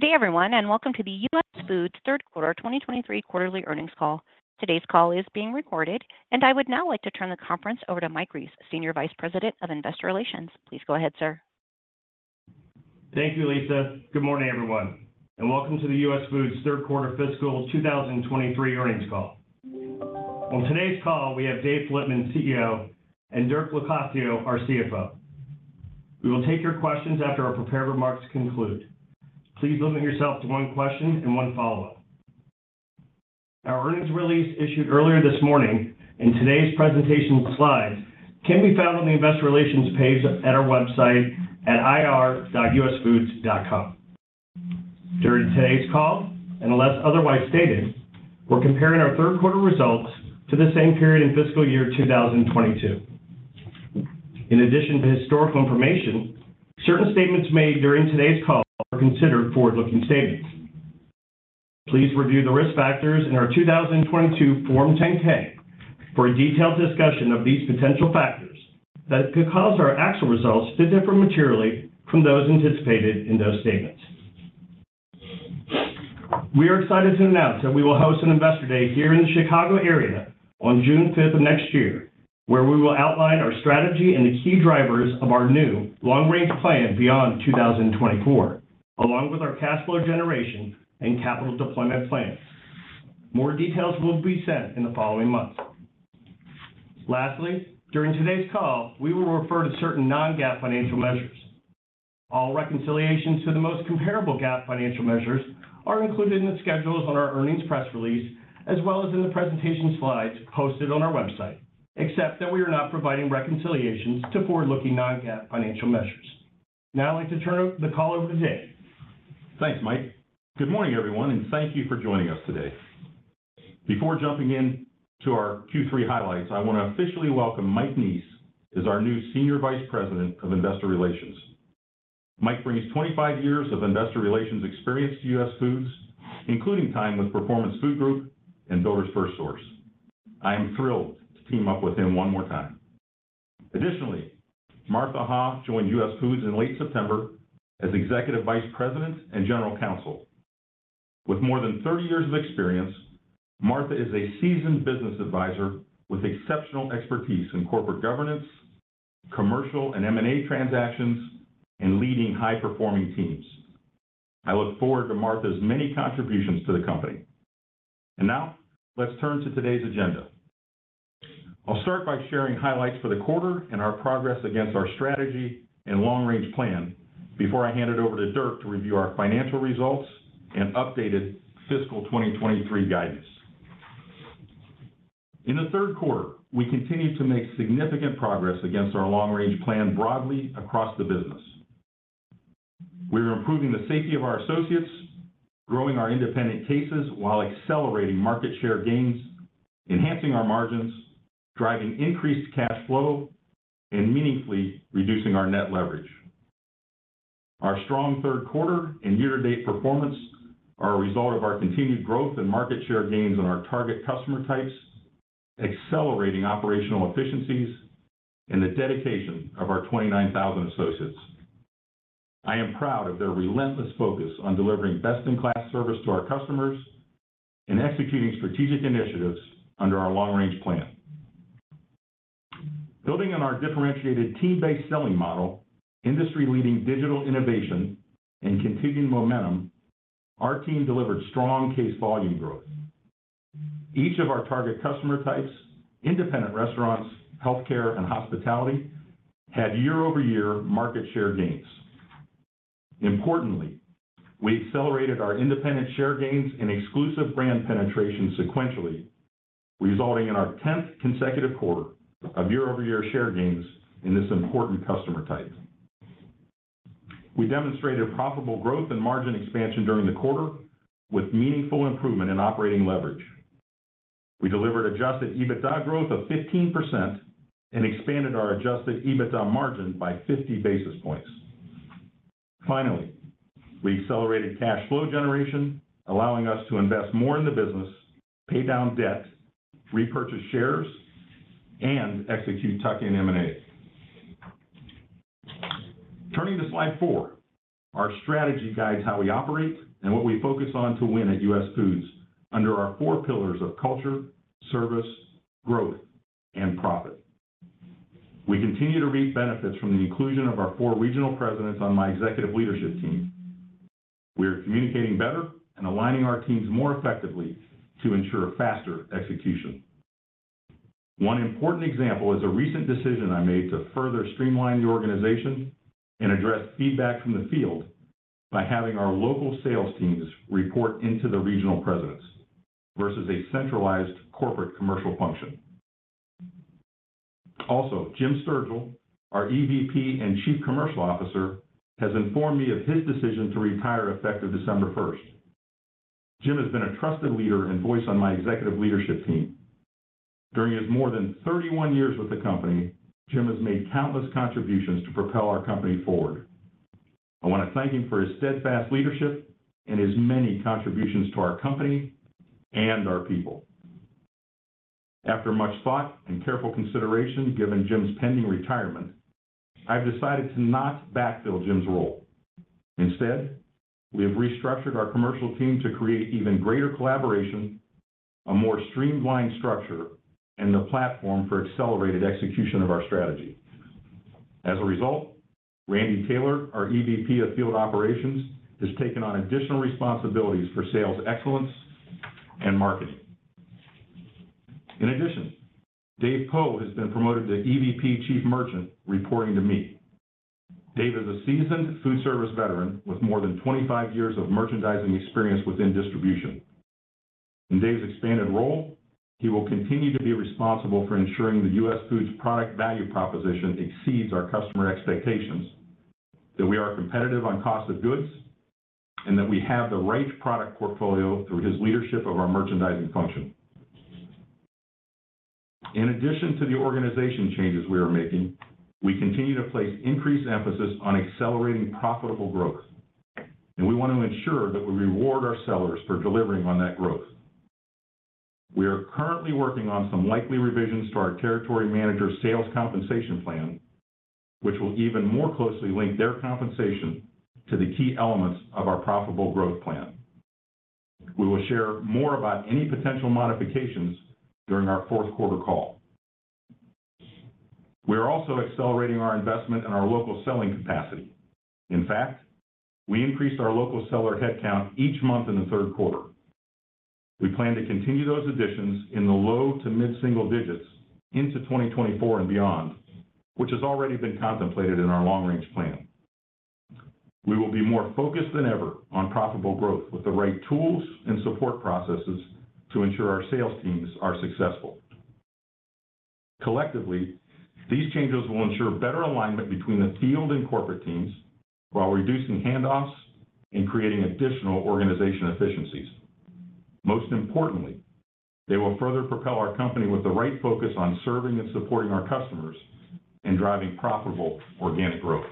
Good day, everyone, and welcome to the US Foods Third Quarter 2023 quarterly earnings call. Today's call is being recorded, and I would now like to turn the conference over to Michael Neese, Senior Vice President of Investor Relations. Please go ahead, sir. Thank you, Lisa. Good morning, everyone, and welcome to the US Foods third quarter fiscal 2023 earnings call. On today's call, we have Dave Flitman, CEO, and Dirk Locascio, our CFO. We will take your questions after our prepared remarks conclude. Please limit yourself to one question and one follow-up. Our earnings release issued earlier this morning and today's presentation slides can be found on the Investor Relations page at our website at ir.usfoods.com. During today's call, and unless otherwise stated, we're comparing our third quarter results to the same period in fiscal year 2022. In addition to historical information, certain statements made during today's call are considered forward-looking statements. Please review the risk factors in our 2022 Form 10-K for a detailed discussion of these potential factors that could cause our actual results to differ materially from those anticipated in those statements. We are excited to announce that we will host an Investor Day here in the Chicago area on June 5 of next year, where we will outline our strategy and the key drivers of our new long-range plan beyond 2024, along with our cash flow generation and capital deployment plan. More details will be sent in the following months. Lastly, during today's call, we will refer to certain non-GAAP financial measures. All reconciliations to the most comparable GAAP financial measures are included in the schedules on our earnings press release, as well as in the presentation slides posted on our website, except that we are not providing reconciliations to forward-looking non-GAAP financial measures. Now, I'd like to turn the call over to Dave. Thanks, Mike. Good morning, everyone, and thank you for joining us today. Before jumping in to our Q3 highlights, I want to officially welcome Mike Neese as our new Senior Vice President of Investor Relations. Mike brings 25 years of investor relations experience to US Foods, including time with Performance Food Group and Builders FirstSource. I am thrilled to team up with him one more time. Additionally, Martha Ha joined US Foods in late September as Executive Vice President and General Counsel. With more than 30 years of experience, Martha is a seasoned business advisor with exceptional expertise in corporate governance, commercial and M&A transactions, and leading high-performing teams. I look forward to Martha's many contributions to the company. And now, let's turn to today's agenda. I'll start by sharing highlights for the quarter and our progress against our strategy and long-range plan before I hand it over to Dirk to review our financial results and updated fiscal 2023 guidance. In the third quarter, we continued to make significant progress against our long-range plan broadly across the business. We are improving the safety of our associates, growing our independent cases while accelerating market share gains, enhancing our margins, driving increased cash flow, and meaningfully reducing our net leverage. Our strong third quarter and year-to-date performance are a result of our continued growth and market share gains on our target customer types, accelerating operational efficiencies, and the dedication of our 29,000 associates. I am proud of their relentless focus on delivering best-in-class service to our customers and executing strategic initiatives under our long-range plan. Building on our differentiated team-based selling model, industry-leading digital innovation, and continuing momentum, our team delivered strong case volume growth. Each of our target customer types, independent restaurants, healthcare, and hospitality, had year-over-year market share gains. Importantly, we accelerated our independent share gains and exclusive brand penetration sequentially, resulting in our 10th consecutive quarter of year-over-year share gains in this important customer type. We demonstrated profitable growth and margin expansion during the quarter with meaningful improvement in operating leverage. We delivered Adjusted EBITDA growth of 15% and expanded our Adjusted EBITDA margin by 50 basis points. Finally, we accelerated cash flow generation, allowing us to invest more in the business, pay down debt, repurchase shares, and execute Tuck-in M&A. Turning to slide four, our strategy guides how we operate and what we focus on to win at US Foods under our four pillars of culture, service, growth, and profit. We continue to reap benefits from the inclusion of our four regional presidents on my executive leadership team. We are communicating better and aligning our teams more effectively to ensure faster execution. One important example is a recent decision I made to further streamline the organization and address feedback from the field by having our local sales teams report into the regional presidents versus a centralized corporate commercial function. Also, Jim Sturgell, our EVP and Chief Commercial Officer, has informed me of his decision to retire effective December first. Jim has been a trusted leader and voice on my executive leadership team. During his more than 31 years with the company, Jim has made countless contributions to propel our company forward. I want to thank him for his steadfast leadership and his many contributions to our company and our people.... After much thought and careful consideration, given Jim's pending retirement, I've decided to not backfill Jim's role. Instead, we have restructured our commercial team to create even greater collaboration, a more streamlined structure, and the platform for accelerated execution of our strategy. As a result, Randy Taylor, our EVP of Field Operations, has taken on additional responsibilities for sales excellence and marketing. In addition, Dave Poe has been promoted to EVP Chief Merchant, reporting to me. Dave is a seasoned food service veteran with more than 25 years of merchandising experience within distribution. In Dave's expanded role, he will continue to be responsible for ensuring the US Foods product value proposition exceeds our customer expectations, that we are competitive on cost of goods, and that we have the right product portfolio through his leadership of our merchandising function. In addition to the organization changes we are making, we continue to place increased emphasis on accelerating profitable growth, and we want to ensure that we reward our sellers for delivering on that growth. We are currently working on some likely revisions to our Territory Manager sales compensation plan, which will even more closely link their compensation to the key elements of our profitable growth plan. We will share more about any potential modifications during our fourth quarter call. We are also accelerating our investment in our local selling capacity. In fact, we increased our local seller headcount each month in the third quarter. We plan to continue those additions in the low to mid-single digits into 2024 and beyond, which has already been contemplated in our long-range planning. We will be more focused than ever on profitable growth, with the right tools and support processes to ensure our sales teams are successful. Collectively, these changes will ensure better alignment between the field and corporate teams while reducing handoffs and creating additional organizational efficiencies. Most importantly, they will further propel our company with the right focus on serving and supporting our customers and driving profitable organic growth.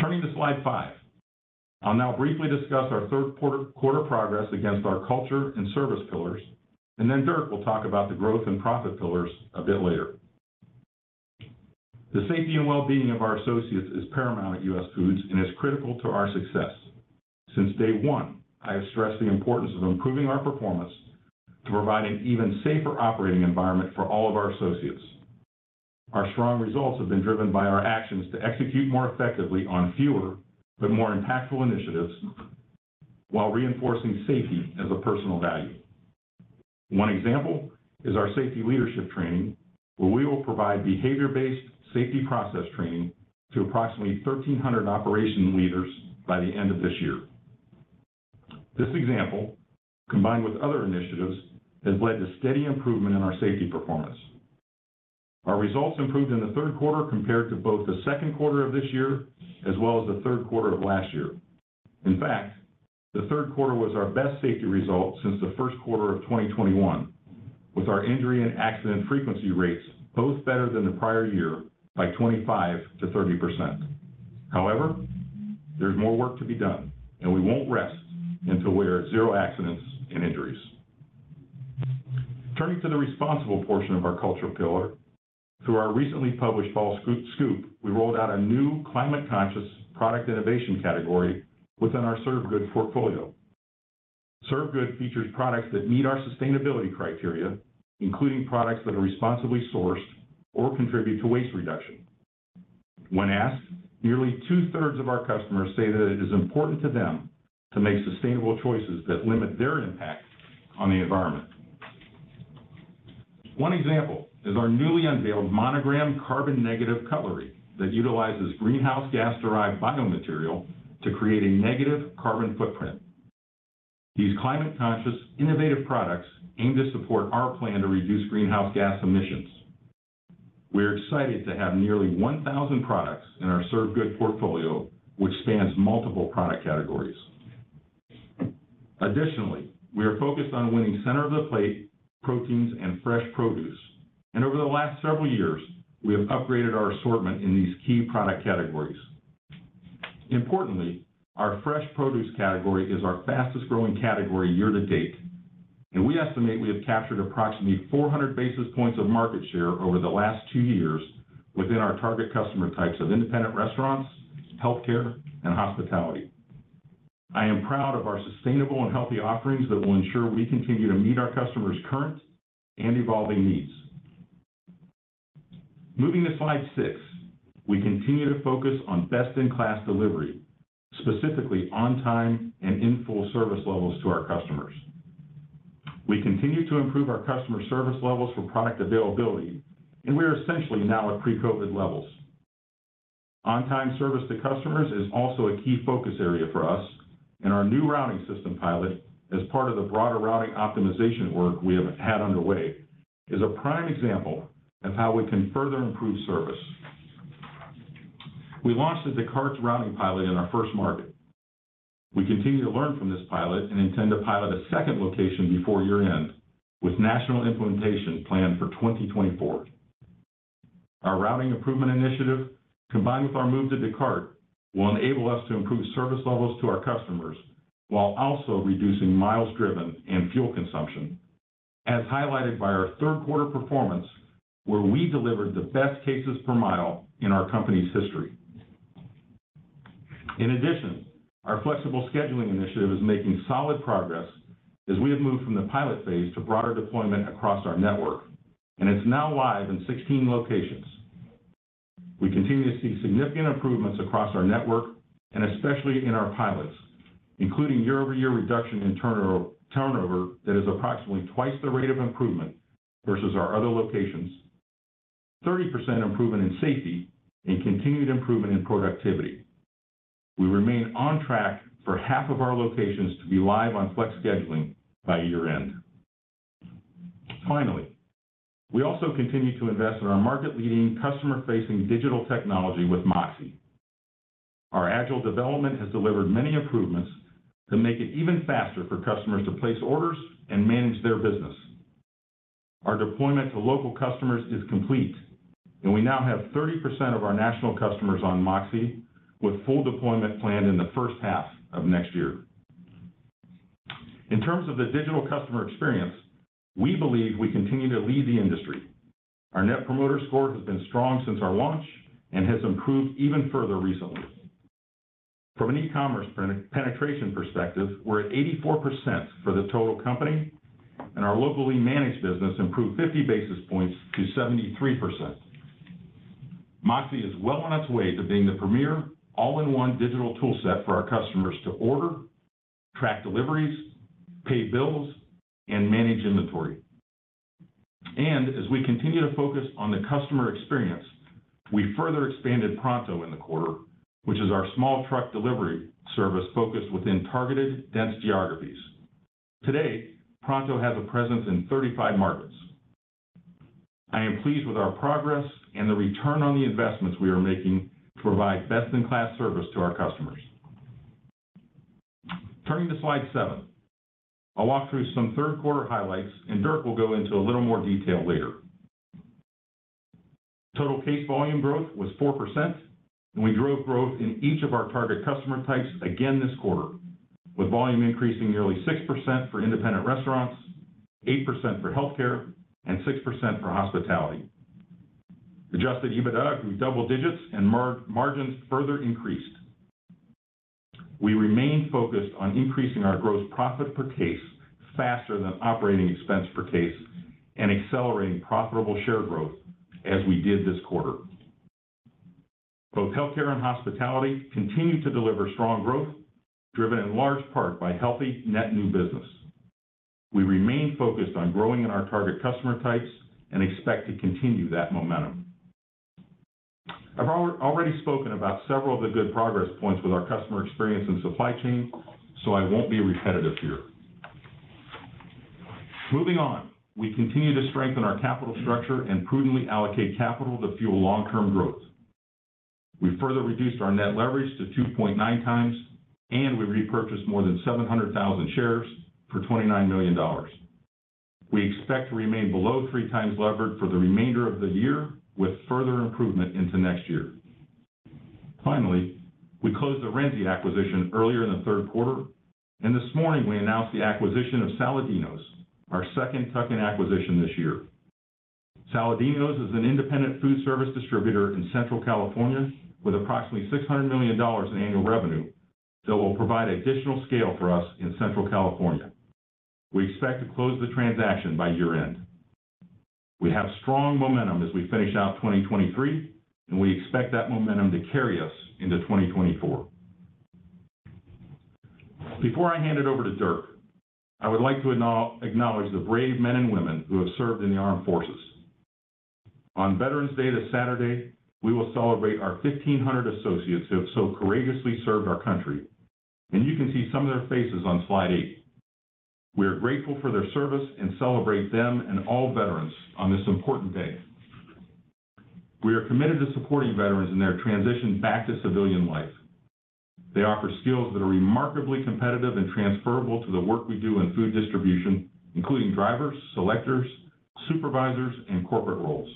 Turning to slide five. I'll now briefly discuss our third quarter progress against our culture and service pillars, and then Dirk will talk about the growth and profit pillars a bit later. The safety and well-being of our associates is paramount at US Foods and is critical to our success. Since day one, I have stressed the importance of improving our performance to provide an even safer operating environment for all of our associates. Our strong results have been driven by our actions to execute more effectively on fewer, but more impactful initiatives, while reinforcing safety as a personal value. One example is our safety leadership training, where we will provide behavior-based safety process training to approximately 1,300 operation leaders by the end of this year. This example, combined with other initiatives, has led to steady improvement in our safety performance. Our results improved in the third quarter compared to both the second quarter of this year as well as the third quarter of last year. In fact, the third quarter was our best safety result since the first quarter of 2021, with our injury and accident frequency rates both better than the prior year by 25%-30%. However, there's more work to be done, and we won't rest until we're at zero accidents and injuries. Turning to the responsible portion of our cultural pillar, through our recently published Fall Scoop, we rolled out a new climate-conscious product innovation category within our Serve Good portfolio. Serve Good features products that meet our sustainability criteria, including products that are responsibly sourced or contribute to waste reduction. When asked, nearly two-thirds of our customers say that it is important to them to make sustainable choices that limit their impact on the environment. One example is our newly unveiled Monogram Carbon Negative Cutlery that utilizes greenhouse gas-derived biomaterial to create a negative carbon footprint. These climate-conscious, innovative products aim to support our plan to reduce greenhouse gas emissions. We're excited to have nearly 1,000 products in our Serve Good portfolio, which spans multiple product categories. Additionally, we are focused on winning center of the plate, proteins, and fresh produce, and over the last several years, we have upgraded our assortment in these key product categories. Importantly, our fresh produce category is our fastest-growing category year to date, and we estimate we have captured approximately 400 basis points of market share over the last two years within our target customer types of independent restaurants, healthcare, and hospitality. I am proud of our sustainable and healthy offerings that will ensure we continue to meet our customers' current and evolving needs. Moving to slide six, we continue to focus on best-in-class delivery, specifically on-time and in-full service levels to our customers. We continue to improve our customer service levels for product availability, and we are essentially now at pre-COVID levels. On-time service to customers is also a key focus area for us, and our new routing system pilot, as part of the broader routing optimization work we have had underway, is a prime example of how we can further improve service. We launched the Descartes routing pilot in our first market. We continue to learn from this pilot and intend to pilot a second location before year-end, with national implementation planned for 2024. Our routing improvement initiative, combined with our move to Descartes, will enable us to improve service levels to our customers, while also reducing miles driven and fuel consumption, as highlighted by our third quarter performance, where we delivered the best cases per mile in our company's history. In addition, our flexible scheduling initiative is making solid progress as we have moved from the pilot phase to broader deployment across our network, and it's now live in 16 locations. We continue to see significant improvements across our network and especially in our pilots, including year-over-year reduction in turnover that is approximately twice the rate of improvement versus our other locations, 30% improvement in safety, and continued improvement in productivity. We remain on track for half of our locations to be live on flex scheduling by year-end. Finally, we also continue to invest in our market-leading, customer-facing digital technology with MOXē. Our agile development has delivered many improvements to make it even faster for customers to place orders and manage their business. Our deployment to local customers is complete, and we now have 30% of our national customers on MOXē, with full deployment planned in the first half of next year. In terms of the digital customer experience, we believe we continue to lead the industry. Our Net Promoter Score has been strong since our launch and has improved even further recently. From an e-commerce penetration perspective, we're at 84% for the total company, and our locally managed business improved 50 basis points to 73%. MOXē is well on its way to being the premier all-in-one digital toolset for our customers to order, track deliveries, pay bills, and manage inventory. And as we continue to focus on the customer experience, we further expanded Pronto in the quarter, which is our small truck delivery service focused within targeted, dense geographies. Today, Pronto has a presence in 35 markets. I am pleased with our progress and the return on the investments we are making to provide best-in-class service to our customers. Turning to slide seven, I'll walk through some third quarter highlights, and Dirk will go into a little more detail later. Total case volume growth was 4%, and we drove growth in each of our target customer types again this quarter, with volume increasing nearly 6% for independent restaurants, 8% for healthcare, and 6% for hospitality. Adjusted EBITDA grew double digits and margins further increased. We remain focused on increasing our gross profit per case faster than operating expense per case and accelerating profitable share growth, as we did this quarter. Both healthcare and hospitality continued to deliver strong growth, driven in large part by healthy net new business. We remain focused on growing in our target customer types and expect to continue that momentum. I've already spoken about several of the good progress points with our customer experience and supply chain, so I won't be repetitive here. Moving on, we continue to strengthen our capital structure and prudently allocate capital to fuel long-term growth. We further reduced our net leverage to 2.9x, and we repurchased more than 700,000 shares for $29 million. We expect to remain below 3x levered for the remainder of the year, with further improvement into next year. Finally, we closed the Renzi acquisition earlier in the third quarter, and this morning we announced the acquisition of Saladino's, our second tuck-in acquisition this year. Saladino's is an independent food service distributor in Central California with approximately $600 million in annual revenue that will provide additional scale for us in Central California. We expect to close the transaction by year-end. We have strong momentum as we finish out 2023, and we expect that momentum to carry us into 2024. Before I hand it over to Dirk, I would like to acknowledge the brave men and women who have served in the armed forces. On Veterans Day, this Saturday, we will celebrate our 1,500 associates who have so courageously served our country, and you can see some of their faces on slide 8. We are grateful for their service and celebrate them and all veterans on this important day. We are committed to supporting veterans in their transition back to civilian life. They offer skills that are remarkably competitive and transferable to the work we do in food distribution, including drivers, selectors, supervisors, and corporate roles.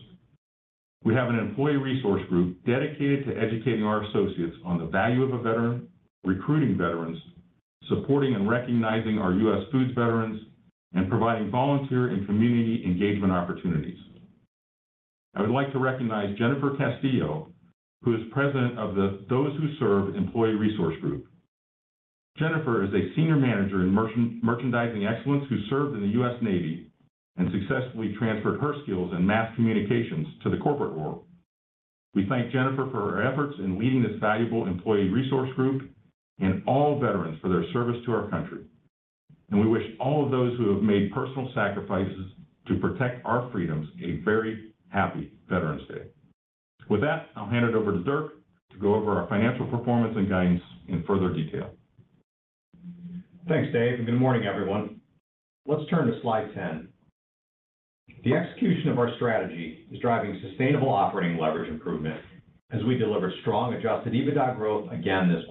We have an employee resource group dedicated to educating our associates on the value of a veteran, recruiting veterans, supporting and recognizing our US Foods veterans, and providing volunteer and community engagement opportunities. I would like to recognize Jennifer Castillo, who is president of the Those Who Serve employee resource group. Jennifer is a senior manager in merchandising excellence, who served in the US Navy and successfully transferred her skills in mass communications to the corporate world. We thank Jennifer for her efforts in leading this valuable employee resource group and all veterans for their service to our country, and we wish all of those who have made personal sacrifices to protect our freedoms a very happy Veterans Day. With that, I'll hand it over to Dirk to go over our financial performance and guidance in further detail. Thanks, Dave, and good morning, everyone. Let's turn to slide 10. The execution of our strategy is driving sustainable operating leverage improvement as we deliver strong adjusted EBITDA growth again this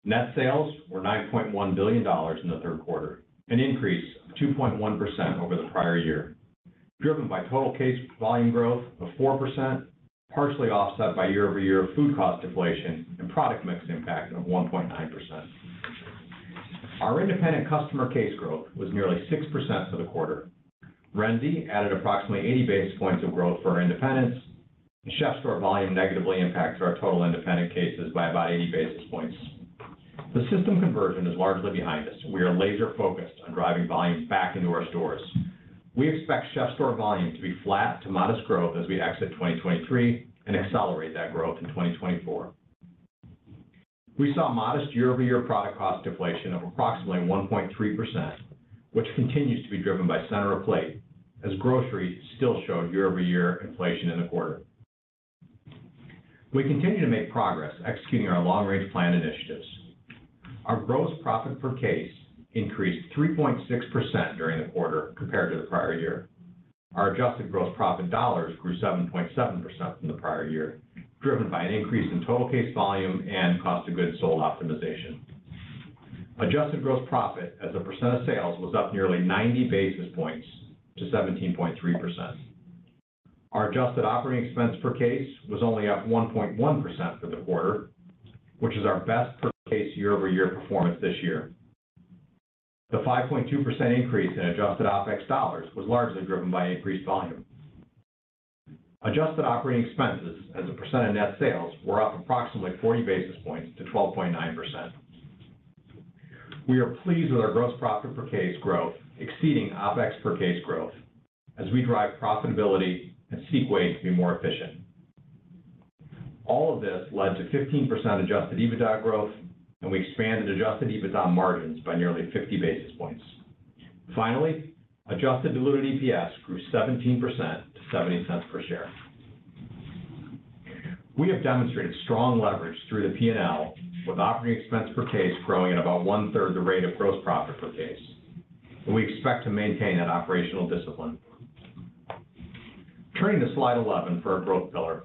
quarter. Net sales were $9.1 billion in the third quarter, an increase of 2.1% over the prior year, driven by total case volume growth of 4%, partially offset by year-over-year food cost deflation and product mix impact of 1.9%. Our independent customer case growth was nearly 6% for the quarter. Renzi added approximately 80 basis points of growth for our independents. CHEF'STORE volume negatively impacted our total independent cases by about 80 basis points. The system conversion is largely behind us. We are laser focused on driving volume back into our stores. We expect CHEF'STORE volume to be flat to modest growth as we exit 2023 and accelerate that growth in 2024. We saw modest year-over-year product cost deflation of approximately 1.3%, which continues to be driven by center of plate, as grocery still showed year-over-year inflation in the quarter. We continue to make progress executing our long-range plan initiatives. Our gross profit per case increased 3.6% during the quarter compared to the prior year. Our adjusted gross profit dollars grew 7.7% from the prior year, driven by an increase in total case volume and cost of goods sold optimization. Adjusted gross profit as a percent of sales was up nearly 90 basis points to 17.3%. Our adjusted operating expense per case was only up 1.1% for the quarter, which is our best per case year-over-year performance this year. The 5.2% increase in adjusted OpEx dollars was largely driven by increased volume. Adjusted operating expenses as a percent of net sales were up approximately 40 basis points to 12.9%. We are pleased with our gross profit per case growth, exceeding OpEx per case growth as we drive profitability and seek ways to be more efficient. All of this led to 15% adjusted EBITDA growth, and we expanded adjusted EBITDA margins by nearly 50 basis points. Finally, adjusted diluted EPS grew 17% to $0.70 per share. We have demonstrated strong leverage through the P&L, with operating expense per case growing at about one-third the rate of gross profit per case, and we expect to maintain that operational discipline. Turning to slide 11 for our growth pillar.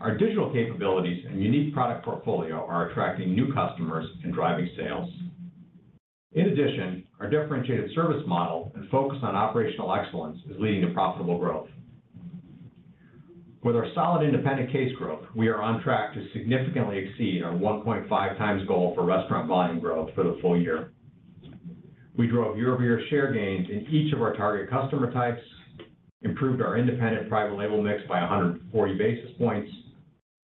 Our digital capabilities and unique product portfolio are attracting new customers and driving sales. In addition, our differentiated service model and focus on operational excellence is leading to profitable growth. With our solid independent case growth, we are on track to significantly exceed our 1.5x goal for restaurant volume growth for the full year. We drove year-over-year share gains in each of our target customer types, improved our independent private label mix by 140 basis points,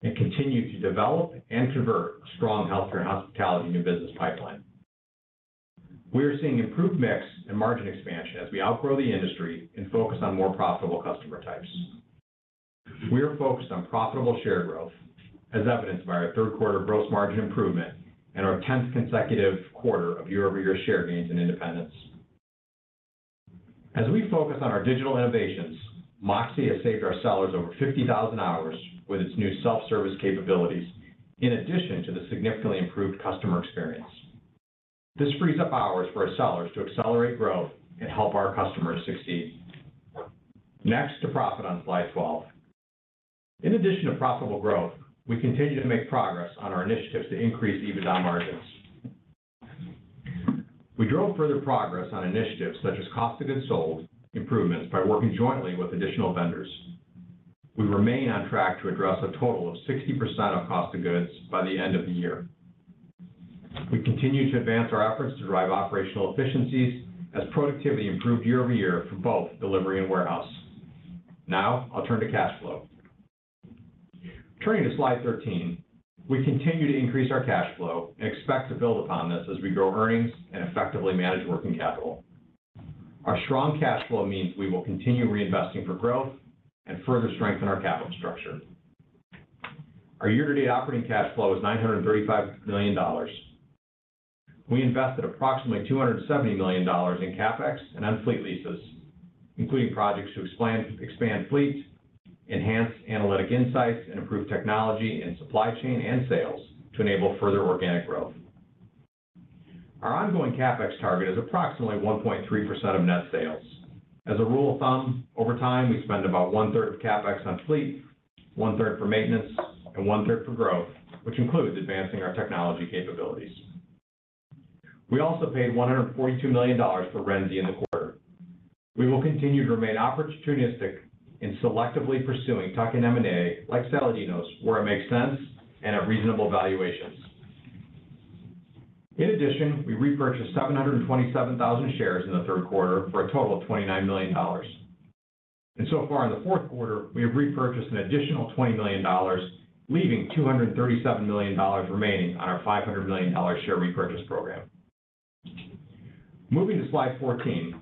and continued to develop and convert a strong healthcare and hospitality new business pipeline. We are seeing improved mix and margin expansion as we outgrow the industry and focus on more profitable customer types. We are focused on profitable share growth, as evidenced by our third quarter gross margin improvement and our tenth consecutive quarter of year-over-year share gains in independence. As we focus on our digital innovations, MOXē has saved our sellers over 50,000 hours with its new self-service capabilities, in addition to the significantly improved customer experience. This frees up hours for our sellers to accelerate growth and help our customers succeed. Next to profit on slide 12. In addition to profitable growth, we continue to make progress on our initiatives to increase EBITDA margins. We drove further progress on initiatives such as cost of goods sold improvements by working jointly with additional vendors. We remain on track to address a total of 60% of cost of goods by the end of the year. We continue to advance our efforts to drive operational efficiencies as productivity improved year-over-year for both delivery and warehouse. Now, I'll turn to cash flow. Turning to slide 13, we continue to increase our cash flow and expect to build upon this as we grow earnings and effectively manage working capital. Our strong cash flow means we will continue reinvesting for growth and further strengthen our capital structure. Our year-to-date operating cash flow is $935 million. We invested approximately $270 million in CapEx and on fleet leases, including projects to expand fleet, enhance analytic insights, and improve technology in supply chain and sales to enable further organic growth. Our ongoing CapEx target is approximately 1.3% of net sales. As a rule of thumb, over time, we spend about one-third of CapEx on fleet, one-third for maintenance, and one-third for growth, which includes advancing our technology capabilities. We also paid $142 million for Renzi in the quarter. We will continue to remain opportunistic in selectively pursuing tuck-in M&A, like Saladino's, where it makes sense and at reasonable valuations. In addition, we repurchased 727,000 shares in the third quarter for a total of $29 million. So far in the fourth quarter, we have repurchased an additional $20 million, leaving $237 million remaining on our $500 million share repurchase program. Moving to slide 14,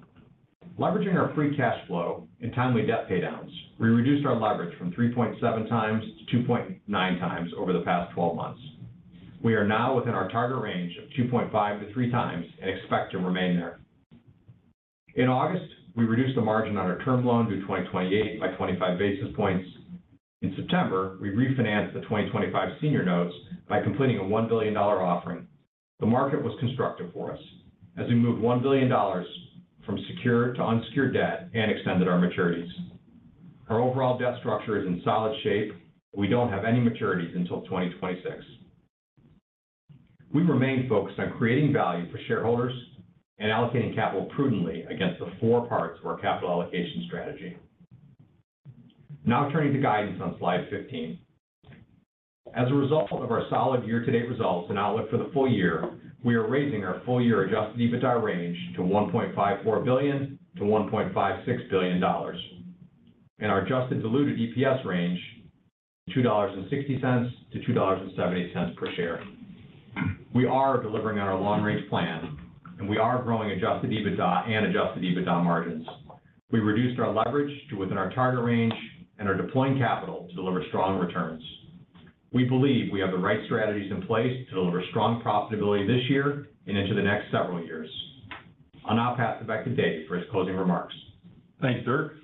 leveraging our free cash flow and timely debt paydowns, we reduced our leverage from 3.7 to 2.9x over the past 12 months. We are now within our target range of 2.5 to 3x and expect to remain there. In August, we reduced the margin on our term loan to 2028 by 25 basis points. In September, we refinanced the 2025 senior notes by completing a $1 billion offering. The market was constructive for us as we moved $1 billion from secure to unsecured debt and extended our maturities.... Our overall debt structure is in solid shape. We don't have any maturities until 2026. We remain focused on creating value for shareholders and allocating capital prudently against the four parts of our capital allocation strategy. Now turning to guidance on slide 15. As a result of our solid year-to-date results and outlook for the full year, we are raising our full year Adjusted EBITDA range to $1.54 billion-$1.56 billion, and our Adjusted Diluted EPS range, $2.60-$2.78 per share. We are delivering on our long range plan, and we are growing Adjusted EBITDA and Adjusted EBITDA margins. We reduced our leverage to within our target range and are deploying capital to deliver strong returns. We believe we have the right strategies in place to deliver strong profitability this year and into the next several years. I'll now pass it back to Dave for his closing remarks. Thanks, Dirk.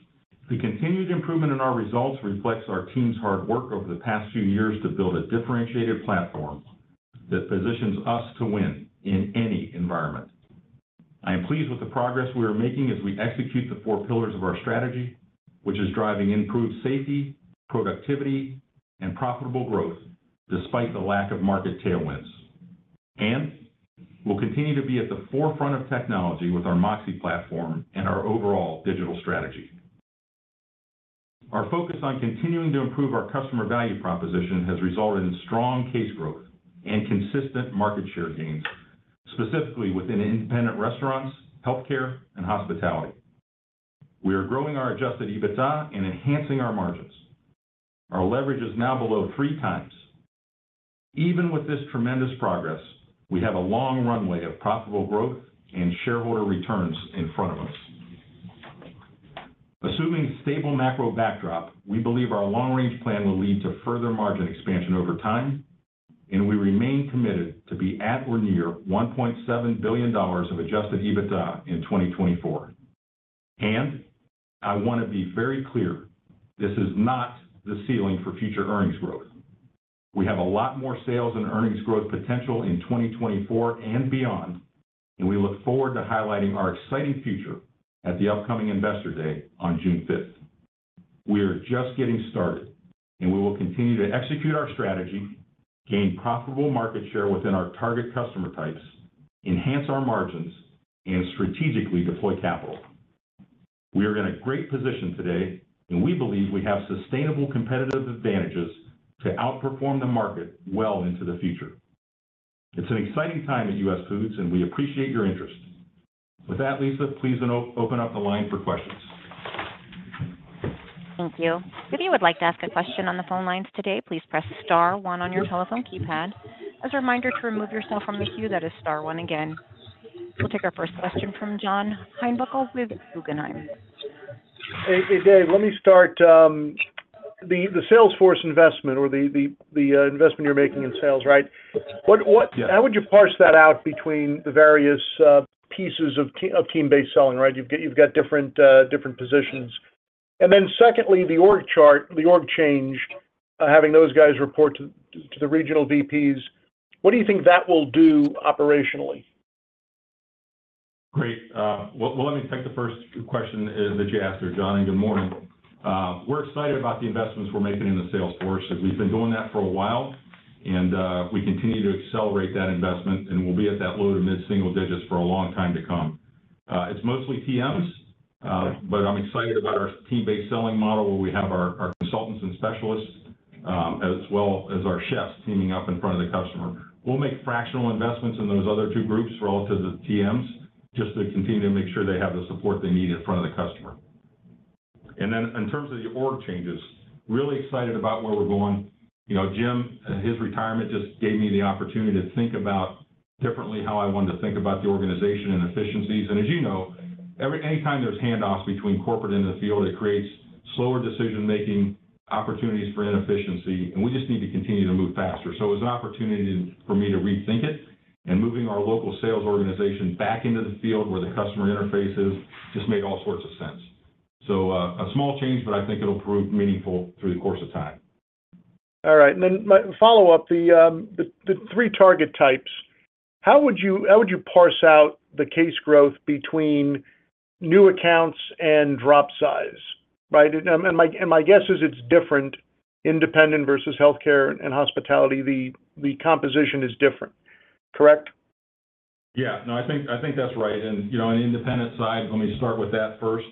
The continued improvement in our results reflects our team's hard work over the past few years to build a differentiated platform that positions us to win in any environment. I am pleased with the progress we are making as we execute the four pillars of our strategy, which is driving improved safety, productivity, and profitable growth despite the lack of market tailwinds. We'll continue to be at the forefront of technology with our MOXē platform and our overall digital strategy. Our focus on continuing to improve our customer value proposition has resulted in strong case growth and consistent market share gains, specifically within independent restaurants, healthcare, and hospitality. We are growing our Adjusted EBITDA and enhancing our margins. Our leverage is now below three times. Even with this tremendous progress, we have a long runway of profitable growth and shareholder returns in front of us. Assuming stable macro backdrop, we believe our long-range plan will lead to further margin expansion over time, and we remain committed to be at or near $1.7 billion of Adjusted EBITDA in 2024. And I want to be very clear, this is not the ceiling for future earnings growth. We have a lot more sales and earnings growth potential in 2024 and beyond, and we look forward to highlighting our exciting future at the upcoming Investor Day on June 5th. We are just getting started, and we will continue to execute our strategy, gain profitable market share within our target customer types, enhance our margins, and strategically deploy capital. We are in a great position today, and we believe we have sustainable competitive advantages to outperform the market well into the future. It's an exciting time at US Foods, and we appreciate your interest. With that, Lisa, please open up the line for questions. Thank you. If you would like to ask a question on the phone lines today, please press star one on your telephone keypad. As a reminder, to remove yourself from the queue, that is star one again. We'll take our first question from John Heinbockel with Guggenheim. Hey, hey, Dave, let me start, the sales force investment or the investment you're making in sales, right? What, what- Yeah. How would you parse that out between the various pieces of Team-Based Selling, right? You've got, you've got different, different positions. And then secondly, the org chart, the org change, having those guys report to the regional VPs, what do you think that will do operationally? Great. Well, let me take the first question that you asked there, John, and good morning. We're excited about the investments we're making in the sales force, and we've been doing that for a while, and we continue to accelerate that investment, and we'll be at that low to mid-single digits for a long time to come. It's mostly TMs, but I'm excited about our team-based selling model, where we have our, our consultants and specialists, as well as our chefs teaming up in front of the customer. We'll make fractional investments in those other two groups relative to TMs, just to continue to make sure they have the support they need in front of the customer. And then in terms of the org changes, really excited about where we're going. You know, Jim, his retirement just gave me the opportunity to think about differently, how I wanted to think about the organization and efficiencies. As you know, every anytime there's handoffs between corporate and the field, it creates slower decision-making, opportunities for inefficiency, and we just need to continue to move faster. So it was an opportunity for me to rethink it, and moving our local sales organization back into the field where the customer interface is, just made all sorts of sense. So, a small change, but I think it'll prove meaningful through the course of time. All right. And then my follow-up, the three target types, how would you parse out the case growth between new accounts and drop size? Right, and my guess is it's different, independent versus healthcare and hospitality, the composition is different. Correct? Yeah. No, I think, I think that's right. And, you know, on the independent side, let me start with that first.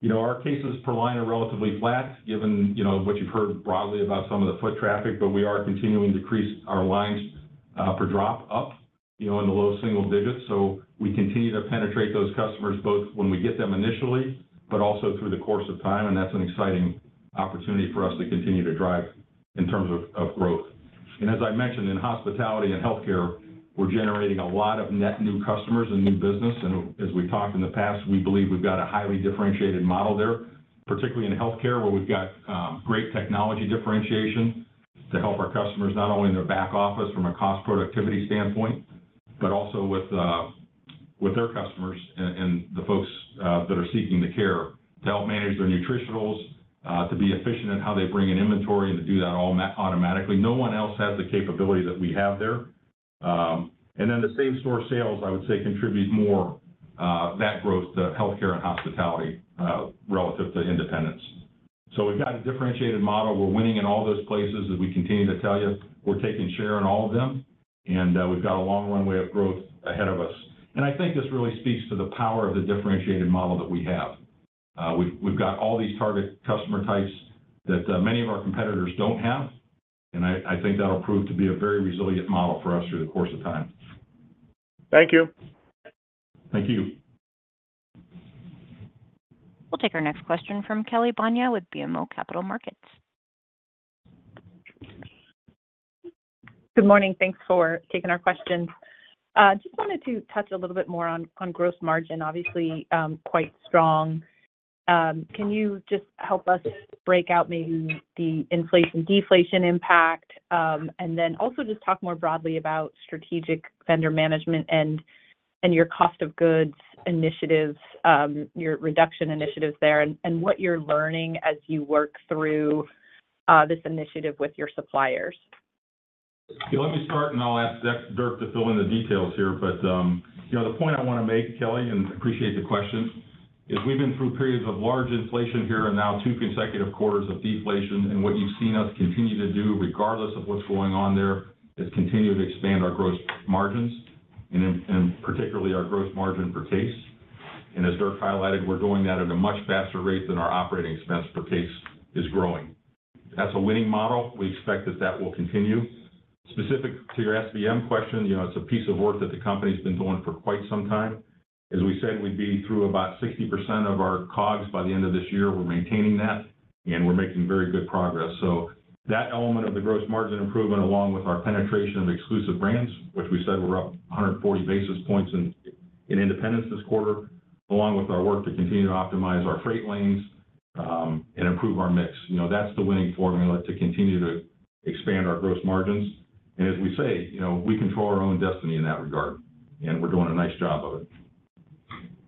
You know, our cases per line are relatively flat, given, you know, what you've heard broadly about some of the foot traffic, but we are continuing to increase our lines for drop up, you know, in the low single digits. So we continue to penetrate those customers, both when we get them initially, but also through the course of time, and that's an exciting opportunity for us to continue to drive in terms of, of growth. And as I mentioned, in hospitality and healthcare, we're generating a lot of net new customers and new business. And as we talked in the past, we believe we've got a highly differentiated model there, particularly in healthcare, where we've got great technology differentiation to help our customers, not only in their back office from a cost productivity standpoint, but also with their customers and the folks that are seeking the care to help manage their nutritionals, to be efficient in how they bring in inventory and to do that all automatically. No one else has the capability that we have there. And then the same-store sales, I would say, contribute more that growth to healthcare and hospitality relative to independents. So we've got a differentiated model. We're winning in all those places, as we continue to tell you. We're taking share in all of them, and we've got a long runway of growth ahead of us. I think this really speaks to the power of the differentiated model that we have. We've got all these target customer types that many of our competitors don't have, and I think that'll prove to be a very resilient model for us through the course of time. Thank you. Thank you. We'll take our next question from Kelly Bania with BMO Capital Markets. Good morning. Thanks for taking our questions. Just wanted to touch a little bit more on gross margin, obviously, quite strong. Can you just help us break out maybe the inflation, deflation impact? And then also just talk more broadly about Strategic Vendor Management and your cost of goods initiatives, your reduction initiatives there, and what you're learning as you work through this initiative with your suppliers. Yeah, let me start, and I'll ask Dex- Dirk to fill in the details here. But, you know, the point I want to make, Kelly, and appreciate the question, is we've been through periods of large inflation here and now two consecutive quarters of deflation. And what you've seen us continue to do, regardless of what's going on there, is continue to expand our gross margins and, and, and particularly our gross margin per case. And as Dirk highlighted, we're doing that at a much faster rate than our operating expense per case is growing. That's a winning model. We expect that that will continue. Specific to your SVM question, you know, it's a piece of work that the company's been doing for quite some time. As we said, we'd be through about 60% of our COGS by the end of this year. We're maintaining that, and we're making very good progress. So that element of the gross margin improvement, along with our penetration of exclusive brands, which we said were up 140 basis points in independents this quarter, along with our work to continue to optimize our freight lanes, and improve our mix. You know, that's the winning formula to continue to expand our gross margins. And as we say, you know, we control our own destiny in that regard, and we're doing a nice job of it.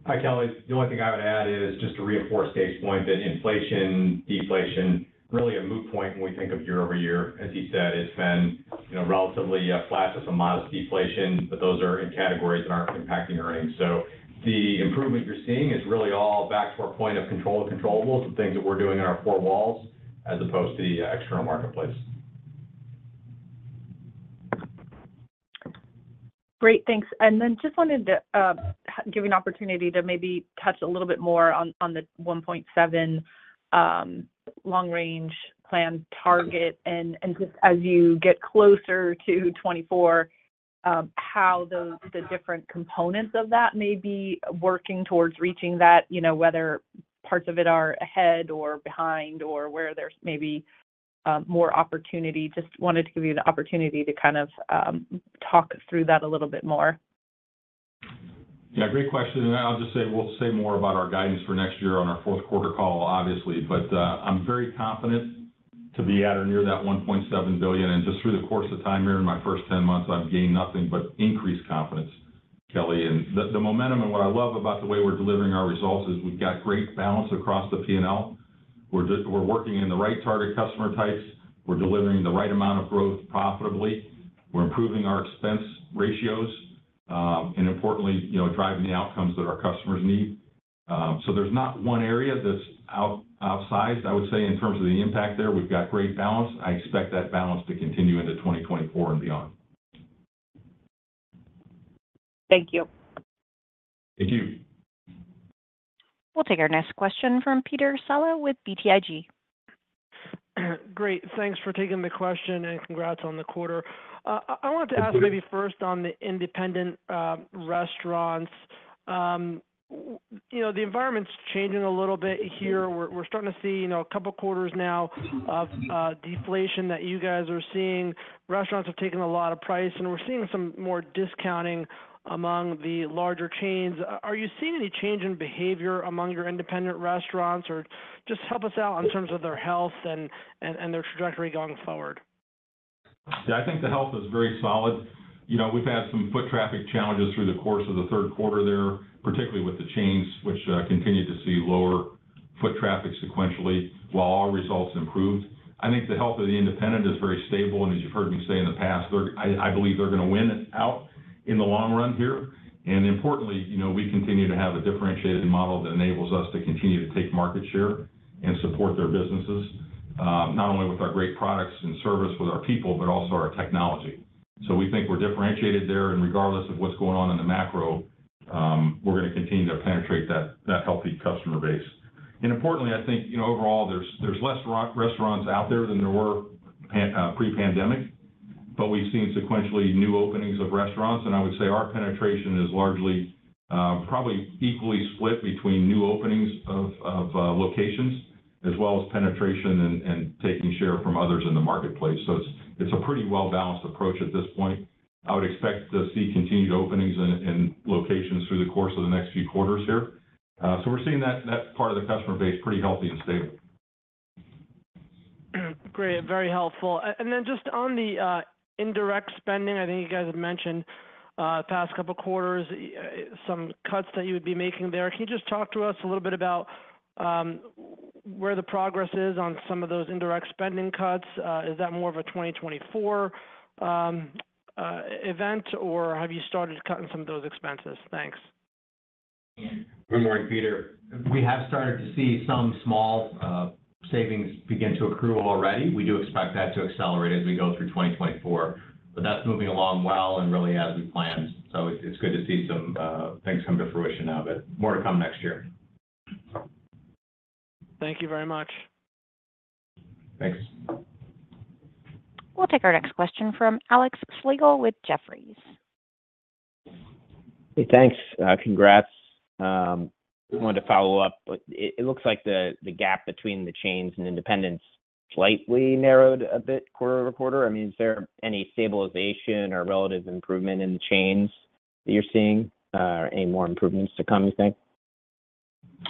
Hi, Kelly. The only thing I would add is just to reinforce Dave's point that inflation, deflation, really a moot point when we think of year-over-year. As he said, it's been, you know, relatively, flat to some modest deflation, but those are in categories that aren't impacting earnings. So the improvement you're seeing is really all back to our point of control, the controllables, the things that we're doing in our four walls, as opposed to the external marketplace. Great, thanks. And then just wanted to give you an opportunity to maybe touch a little bit more on the 1.7 long range plan target, and just as you get closer to 2024, how those, the different components of that may be working towards reaching that. You know, whether parts of it are ahead or behind, or where there's maybe more opportunity. Just wanted to give you the opportunity to kind of talk through that a little bit more. Yeah, great question, and I'll just say, we'll say more about our guidance for next year on our fourth quarter call, obviously. But, I'm very confident to be at or near that $1.7 billion. And just through the course of time here, in my first 10 months, I've gained nothing but increased confidence, Kelly. And the momentum and what I love about the way we're delivering our results is we've got great balance across the P&L. We're just working in the right target customer types. We're delivering the right amount of growth profitably. We're improving our expense ratios, and importantly, you know, driving the outcomes that our customers need. So there's not one area that's outsized, I would say, in terms of the impact there. We've got great balance. I expect that balance to continue into 2024 and beyond. Thank you. Thank you. We'll take our next question from Peter Saleh with BTIG. Great. Thanks for taking the question, and congrats on the quarter. Thank you. I wanted to ask maybe first on the independent restaurants. You know, the environment's changing a little bit here. We're starting to see, you know, a couple quarters now of deflation that you guys are seeing. Restaurants have taken a lot of price, and we're seeing some more discounting among the larger chains. Are you seeing any change in behavior among your independent restaurants? Or just help us out in terms of their health and their trajectory going forward. Yeah, I think the health is very solid. You know, we've had some foot traffic challenges through the course of the third quarter there, particularly with the chains, which continued to see lower foot traffic sequentially, while all results improved. I think the health of the independent is very stable, and as you've heard me say in the past, they're—I believe they're gonna win out in the long run here. And importantly, you know, we continue to have a differentiated model that enables us to continue to take market share and support their businesses, not only with our great products and service with our people, but also our technology. So we think we're differentiated there, and regardless of what's going on in the macro, we're gonna continue to penetrate that healthy customer base. And importantly, I think, you know, overall there's less restaurants out there than there were pre-pandemic, but we've seen sequentially new openings of restaurants. And I would say our penetration is largely probably equally split between new openings of locations, as well as penetration and taking share from others in the marketplace. So it's a pretty well-balanced approach at this point. I would expect to see continued openings in locations through the course of the next few quarters here. So we're seeing that part of the customer base pretty healthy and stable. Great, very helpful. And then just on the indirect spending, I think you guys had mentioned past couple quarters some cuts that you would be making there. Can you just talk to us a little bit about where the progress is on some of those indirect spending cuts? Is that more of a 2024 event, or have you started cutting some of those expenses? Thanks. Good morning, Peter. We have started to see some small savings begin to accrue already. We do expect that to accelerate as we go through 2024, but that's moving along well and really as we planned. So it's good to see some things come to fruition now, but more to come next year. Thank you very much. Thanks. We'll take our next question from Alex Slagle with Jefferies. Hey, thanks. Congrats. I wanted to follow up. It looks like the gap between the chains and independents slightly narrowed a bit quarter over quarter. I mean, is there any stabilization or relative improvement in the chains that you're seeing? Any more improvements to come, you think?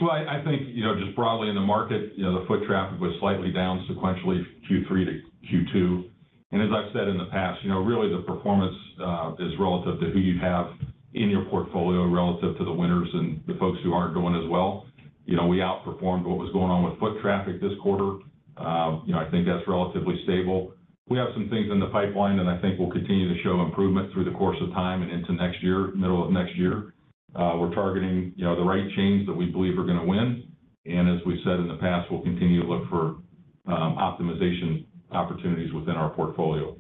Well, I think, you know, just broadly in the market, you know, the foot traffic was slightly down sequentially, Q3 to Q2. And as I've said in the past, you know, really the performance is relative to who you have in your portfolio, relative to the winners and the folks who aren't doing as well. You know, we outperformed what was going on with foot traffic this quarter. You know, I think that's relatively stable. We have some things in the pipeline, and I think we'll continue to show improvement through the course of time and into next year, middle of next year. We're targeting, you know, the right chains that we believe are going to win. And as we've said in the past, we'll continue to look for optimization opportunities within our portfolio.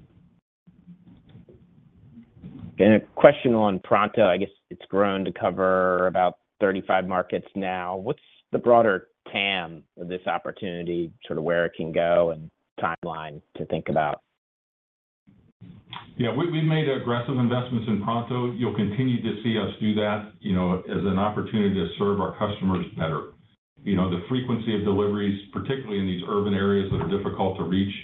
A question on Pronto. I guess it's grown to cover about 35 markets now. What's the broader TAM of this opportunity, sort of where it can go, and timeline to think about? Yeah, we, we've made aggressive investments in Pronto. You'll continue to see us do that, you know, as an opportunity to serve our customers better. You know, the frequency of deliveries, particularly in these urban areas that are difficult to reach,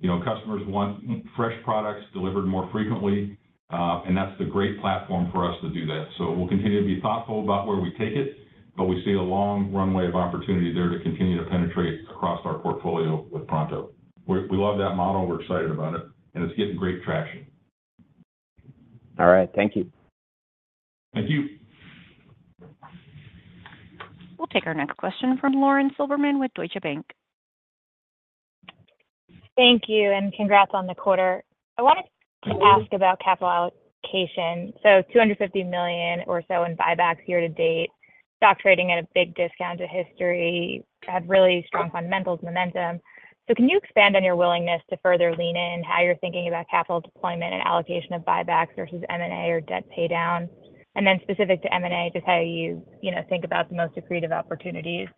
you know, customers want fresh products delivered more frequently, and that's the great platform for us to do that. So we'll continue to be thoughtful about where we take it, but we see a long runway of opportunity there to continue to penetrate across our portfolio with Pronto. We, we love that model, we're excited about it, and it's getting great traction. All right. Thank you. Thank you. We'll take our next question from Lauren Silberman with Deutsche Bank. Thank you, and congrats on the quarter. I wanted to ask about capital allocation. So $250 million or so in buybacks year to date, stock trading at a big discount to history, have really strong fundamentals momentum. So can you expand on your willingness to further lean in, how you're thinking about capital deployment and allocation of buybacks versus M&A or debt paydown? And then specific to M&A, just how you, you know, think about the most accretive opportunities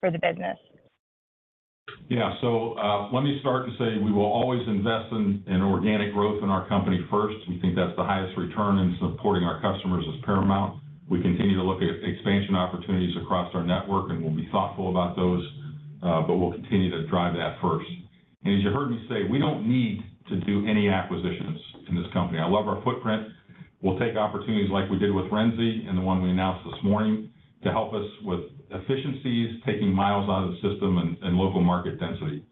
for the business. Yeah. So, let me start to say, we will always invest in organic growth in our company first. We think that's the highest return, and supporting our customers is paramount. We continue to look at expansion opportunities across our network, and we'll be thoughtful about those, but we'll continue to drive that first. And as you heard me say, we don't need to do any acquisitions in this company. I love our footprint. We'll take opportunities like we did with Renzi and the one we announced this morning, to help us with efficiencies, taking miles out of the system and local market density.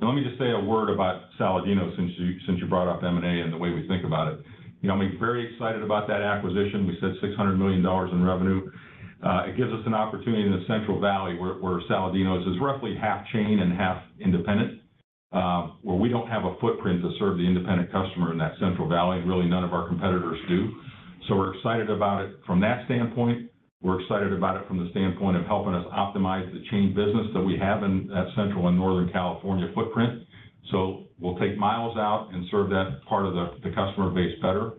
Now, let me just say a word about Saladino's, since you brought up M&A and the way we think about it. You know, I'm very excited about that acquisition. We said $600 million in revenue. It gives us an opportunity in the Central Valley, where Saladino's is roughly half chain and half independent, where we don't have a footprint to serve the independent customer in that Central Valley, and really none of our competitors do. So we're excited about it from that standpoint. We're excited about it from the standpoint of helping us optimize the chain business that we have in that Central and Northern California footprint. So we'll take miles out and serve that part of the customer base better.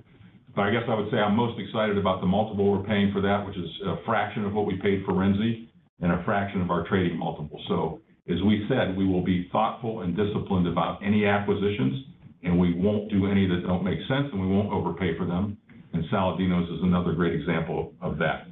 But I guess I would say I'm most excited about the multiple we're paying for that, which is a fraction of what we paid for Renzi and a fraction of our trading multiple. As we said, we will be thoughtful and disciplined about any acquisitions, and we won't do any that don't make sense, and we won't overpay for them. Saladino's is another great example of that.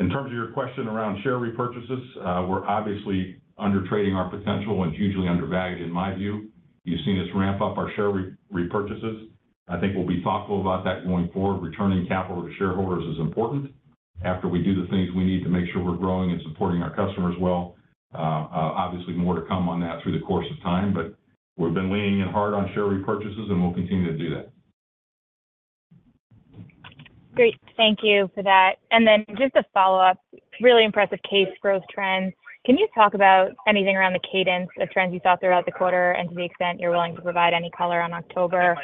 In terms of your question around share repurchases, we're obviously under trading our potential and hugely undervalued, in my view. You've seen us ramp up our share repurchases. I think we'll be thoughtful about that going forward. Returning capital to shareholders is important. After we do the things we need to make sure we're growing and supporting our customers well, obviously, more to come on that through the course of time, but we've been leaning in hard on share repurchases, and we'll continue to do that. Great. Thank you for that. And then just a follow-up, really impressive case growth trends. Can you talk about anything around the cadence of trends you saw throughout the quarter? And to the extent you're willing to provide any color on October,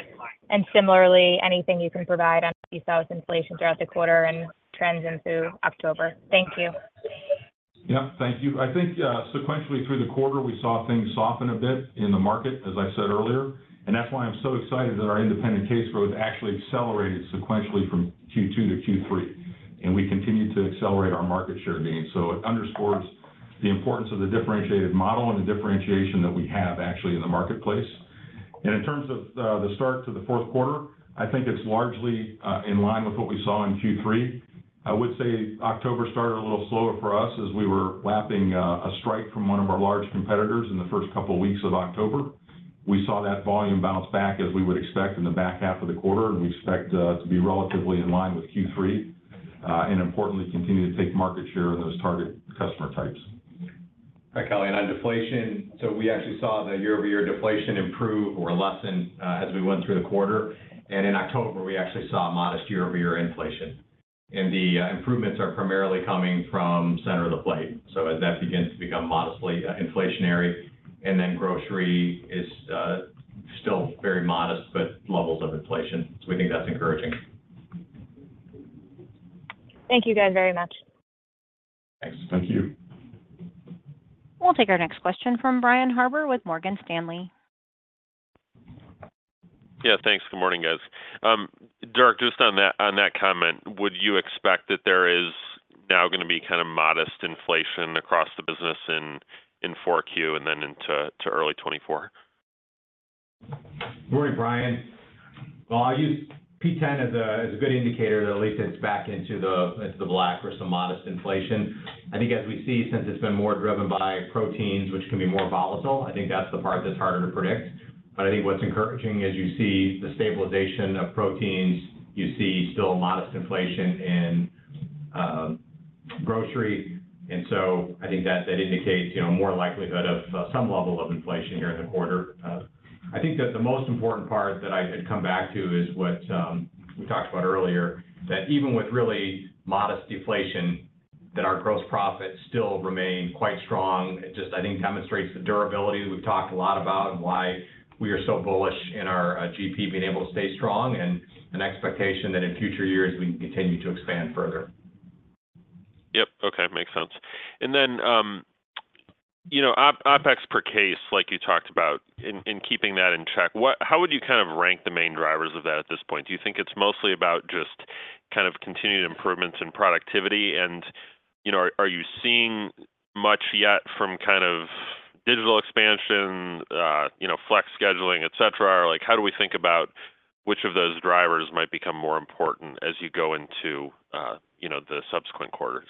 and similarly, anything you can provide on what you saw with inflation throughout the quarter and trends into October. Thank you. Yeah, thank you. I think, sequentially through the quarter, we saw things soften a bit in the market, as I said earlier, and that's why I'm so excited that our independent case growth actually accelerated sequentially from Q2 to Q3, and we continued to accelerate our market share gains. So it underscores the importance of the differentiated model and the differentiation that we have actually in the marketplace. And in terms of, the start to the fourth quarter, I think it's largely, in line with what we saw in Q3. I would say October started a little slower for us as we were lapping, a strike from one of our large competitors in the first couple of weeks of October. We saw that volume bounce back as we would expect in the back half of the quarter, and we expect to be relatively in line with Q3, and importantly, continue to take market share in those target customer types.... Hi, Kelly. And on deflation, so we actually saw the year-over-year deflation improve or lessen as we went through the quarter. And in October, we actually saw a modest year-over-year inflation. And the improvements are primarily coming from center of the plate. So as that begins to become modestly inflationary, and then grocery is still very modest, but levels of inflation. So we think that's encouraging. Thank you, guys, very much. Thanks. Thank you. We'll take our next question from Brian Harbour with Morgan Stanley. Yeah, thanks. Good morning, guys. Dirk, just on that, on that comment, would you expect that there is now gonna be kind of modest inflation across the business in Q4 and then into early 2024? Good morning, Brian. Well, I'll use P10 as a good indicator that at least it's back into the black for some modest inflation. I think as we see, since it's been more driven by proteins, which can be more volatile, I think that's the part that's harder to predict. But I think what's encouraging is you see the stabilization of proteins. You see still a modest inflation in grocery. And so I think that indicates, you know, more likelihood of some level of inflation here in the quarter. I think that the most important part that I'd come back to is what we talked about earlier, that even with really modest deflation, that our gross profits still remain quite strong. It just, I think, demonstrates the durability we've talked a lot about and why we are so bullish in our GP being able to stay strong, and an expectation that in future years we continue to expand further. Yep. Okay. Makes sense. And then, you know, OpEx per case, like you talked about in keeping that in check, what how would you kind of rank the main drivers of that at this point? Do you think it's mostly about just kind of continued improvements in productivity, and, you know, are you seeing much yet from kind of digital expansion, you know, flex scheduling, et cetera? Or, like, how do we think about which of those drivers might become more important as you go into, you know, the subsequent quarters?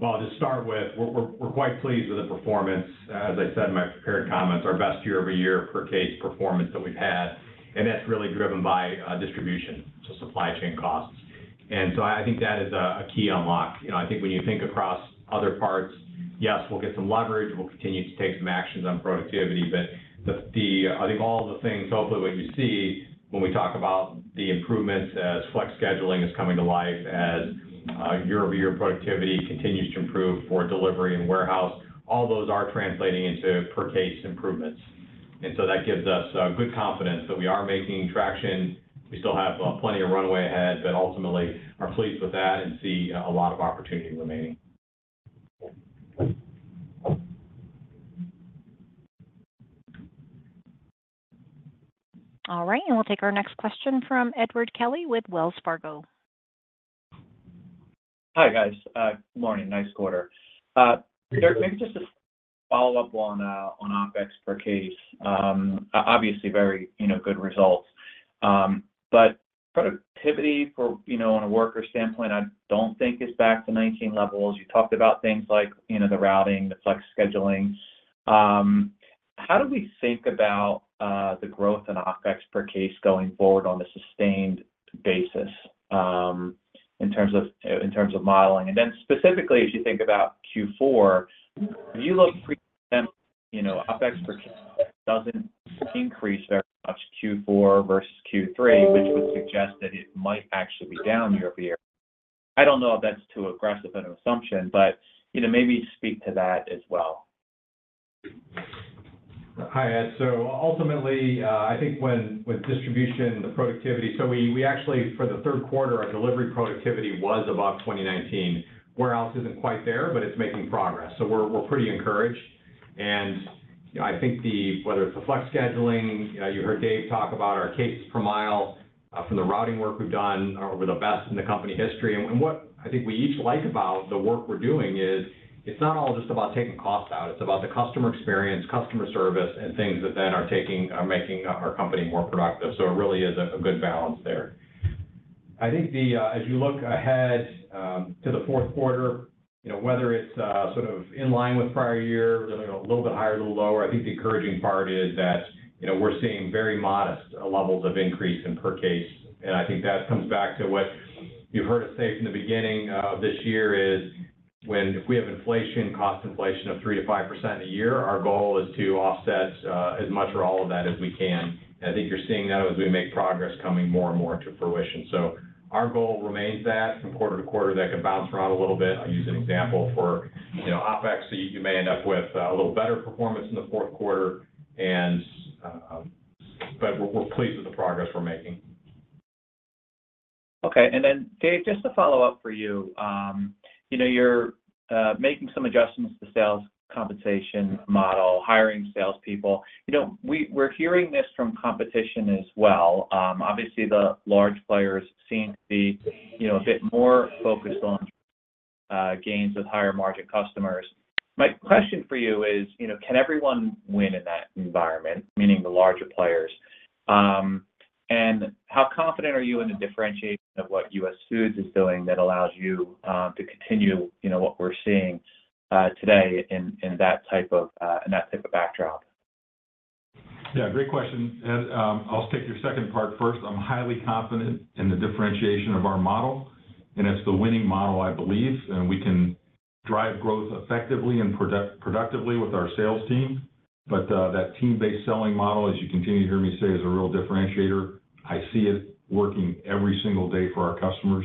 Well, to start with, we're quite pleased with the performance. As I said in my prepared comments, our best year-over-year per case performance that we've had, and that's really driven by distribution, so supply chain costs. And so I think that is a key unlock. You know, I think when you think across other parts, yes, we'll get some leverage. We'll continue to take some actions on productivity, but the, I think all of the things, hopefully what you see when we talk about the improvements as flex scheduling is coming to life, as year-over-year productivity continues to improve for delivery and warehouse, all those are translating into per case improvements. And so that gives us good confidence that we are making traction. We still have plenty of runway ahead, but ultimately are pleased with that and see a lot of opportunity remaining. All right. We'll take our next question from Edward Kelly with Wells Fargo. Hi, guys. Good morning. Nice quarter. Good morning. DIrk, maybe just a follow-up on OpEx per case. Obviously very, you know, good results, but productivity for, you know, on a worker standpoint, I don't think is back to 2019 levels. You talked about things like, you know, the routing, the flex scheduling. How do we think about the growth in OpEx per case going forward on a sustained basis, in terms of modeling? And then specifically, as you think about Q4, if you look pre-pandemic, you know, OpEx per case doesn't increase very much Q4 versus Q3, which would suggest that it might actually be down year-over-year. I don't know if that's too aggressive an assumption, but, you know, maybe speak to that as well. Hi, Ed. So ultimately, I think when with distribution, the productivity. So we actually, for the third quarter, our delivery productivity was above 2019. Warehouse isn't quite there, but it's making progress, so we're pretty encouraged. And, you know, I think the whether it's the flex scheduling, you heard Dave talk about our cases per mile, from the routing work we've done over the best in the company history. And what I think we each like about the work we're doing is, it's not all just about taking cost out, it's about the customer experience, customer service, and things that then are making our company more productive. So it really is a good balance there. I think the, as you look ahead, to the fourth quarter, you know, whether it's, sort of in line with prior year, you know, a little bit higher, a little lower, I think the encouraging part is that, you know, we're seeing very modest levels of increase in per case. And I think that comes back to what you heard us say from the beginning of this year, is when—if we have inflation, cost inflation of 3%-5% a year, our goal is to offset, as much or all of that as we can. And I think you're seeing that as we make progress, coming more and more to fruition. So our goal remains that from quarter to quarter, that can bounce around a little bit. I'll use an example for, you know, OpEx. You may end up with a little better performance in the fourth quarter, but we're pleased with the progress we're making. Okay. And then, Dave, just to follow up for you, you know, you're making some adjustments to sales compensation model, hiring salespeople. You know, we're hearing this from competition as well. Obviously, the large players seem to be, you know, a bit more focused on gains with higher-margin customers. My question for you is, you know, can everyone win in that environment, meaning the larger players? And how confident are you in the differentiation of what US Foods is doing that allows you to continue, you know, what we're seeing today in that type of backdrop?... Yeah, great question, Ed. I'll take your second part first. I'm highly confident in the differentiation of our model, and it's the winning model, I believe. And we can drive growth effectively and productively with our sales team. But that team-based selling model, as you continue to hear me say, is a real differentiator. I see it working every single day for our customers,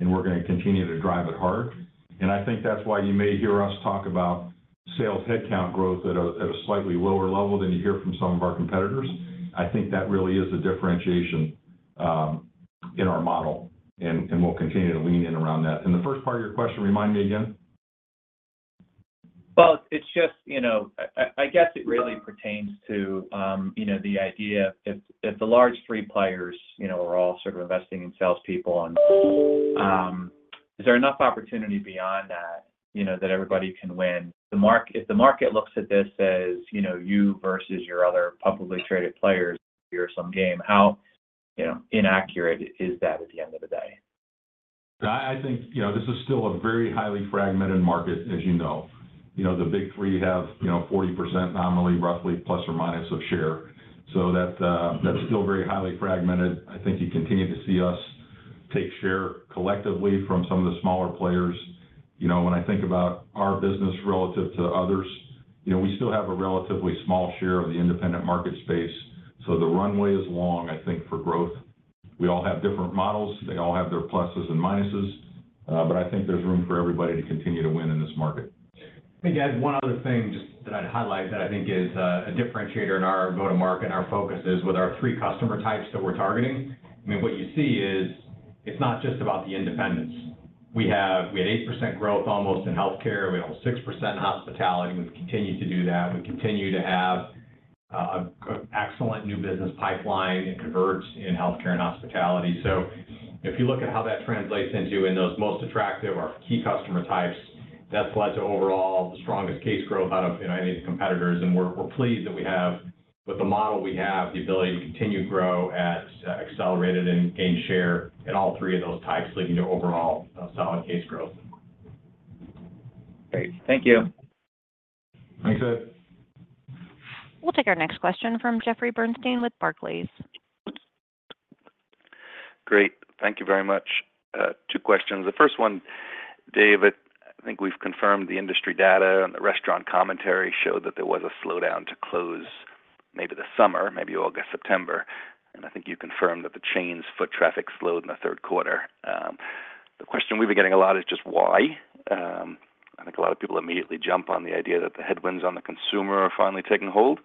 and we're gonna continue to drive it hard. And I think that's why you may hear us talk about sales headcount growth at a slightly lower level than you hear from some of our competitors. I think that really is a differentiation in our model, and we'll continue to lean in around that. And the first part of your question, remind me again? Well, it's just, you know, I guess it really pertains to, you know, the idea if the large three players, you know, are all sort of investing in salespeople and, is there enough opportunity beyond that, you know, that everybody can win? If the market looks at this as, you know, you versus your other publicly traded players, zero-sum game, how inaccurate is that at the end of the day? I think, you know, this is still a very highly fragmented market, as you know. You know, the Big Three have, you know, 40% nominally, roughly, ± of share. So that, that's still very highly fragmented. I think you continue to see us take share collectively from some of the smaller players. You know, when I think about our business relative to others, you know, we still have a relatively small share of the independent market space, so the runway is long, I think, for growth. We all have different models. They all have their pluses and minuses, but I think there's room for everybody to continue to win in this market. I think, Ed, one other thing just that I'd highlight that I think is a differentiator in our go-to-market and our focus is with our three customer types that we're targeting. I mean, what you see is, it's not just about the independents. We have, we had 8% growth almost in healthcare. We had almost 6% in hospitality, and we've continued to do that. We continue to have excellent new business pipeline in convenience, in healthcare and hospitality. So if you look at how that translates into, in those most attractive, our key customer types, that's led to overall the strongest case growth out of, you know, any of the competitors. We're pleased that we have, with the model we have, the ability to continue to grow at accelerated and gain share in all three of those types, leading to overall solid case growth. Great. Thank you. Thanks, Ed. We'll take our next question from Jeffrey Bernstein with Barclays. Great. Thank you very much. Two questions. The first one, David, I think we've confirmed the industry data and the restaurant commentary showed that there was a slowdown to close maybe the summer, maybe August, September, and I think you confirmed that the chain's foot traffic slowed in the third quarter. The question we've been getting a lot is just why? I think a lot of people immediately jump on the idea that the headwinds on the consumer are finally taking hold.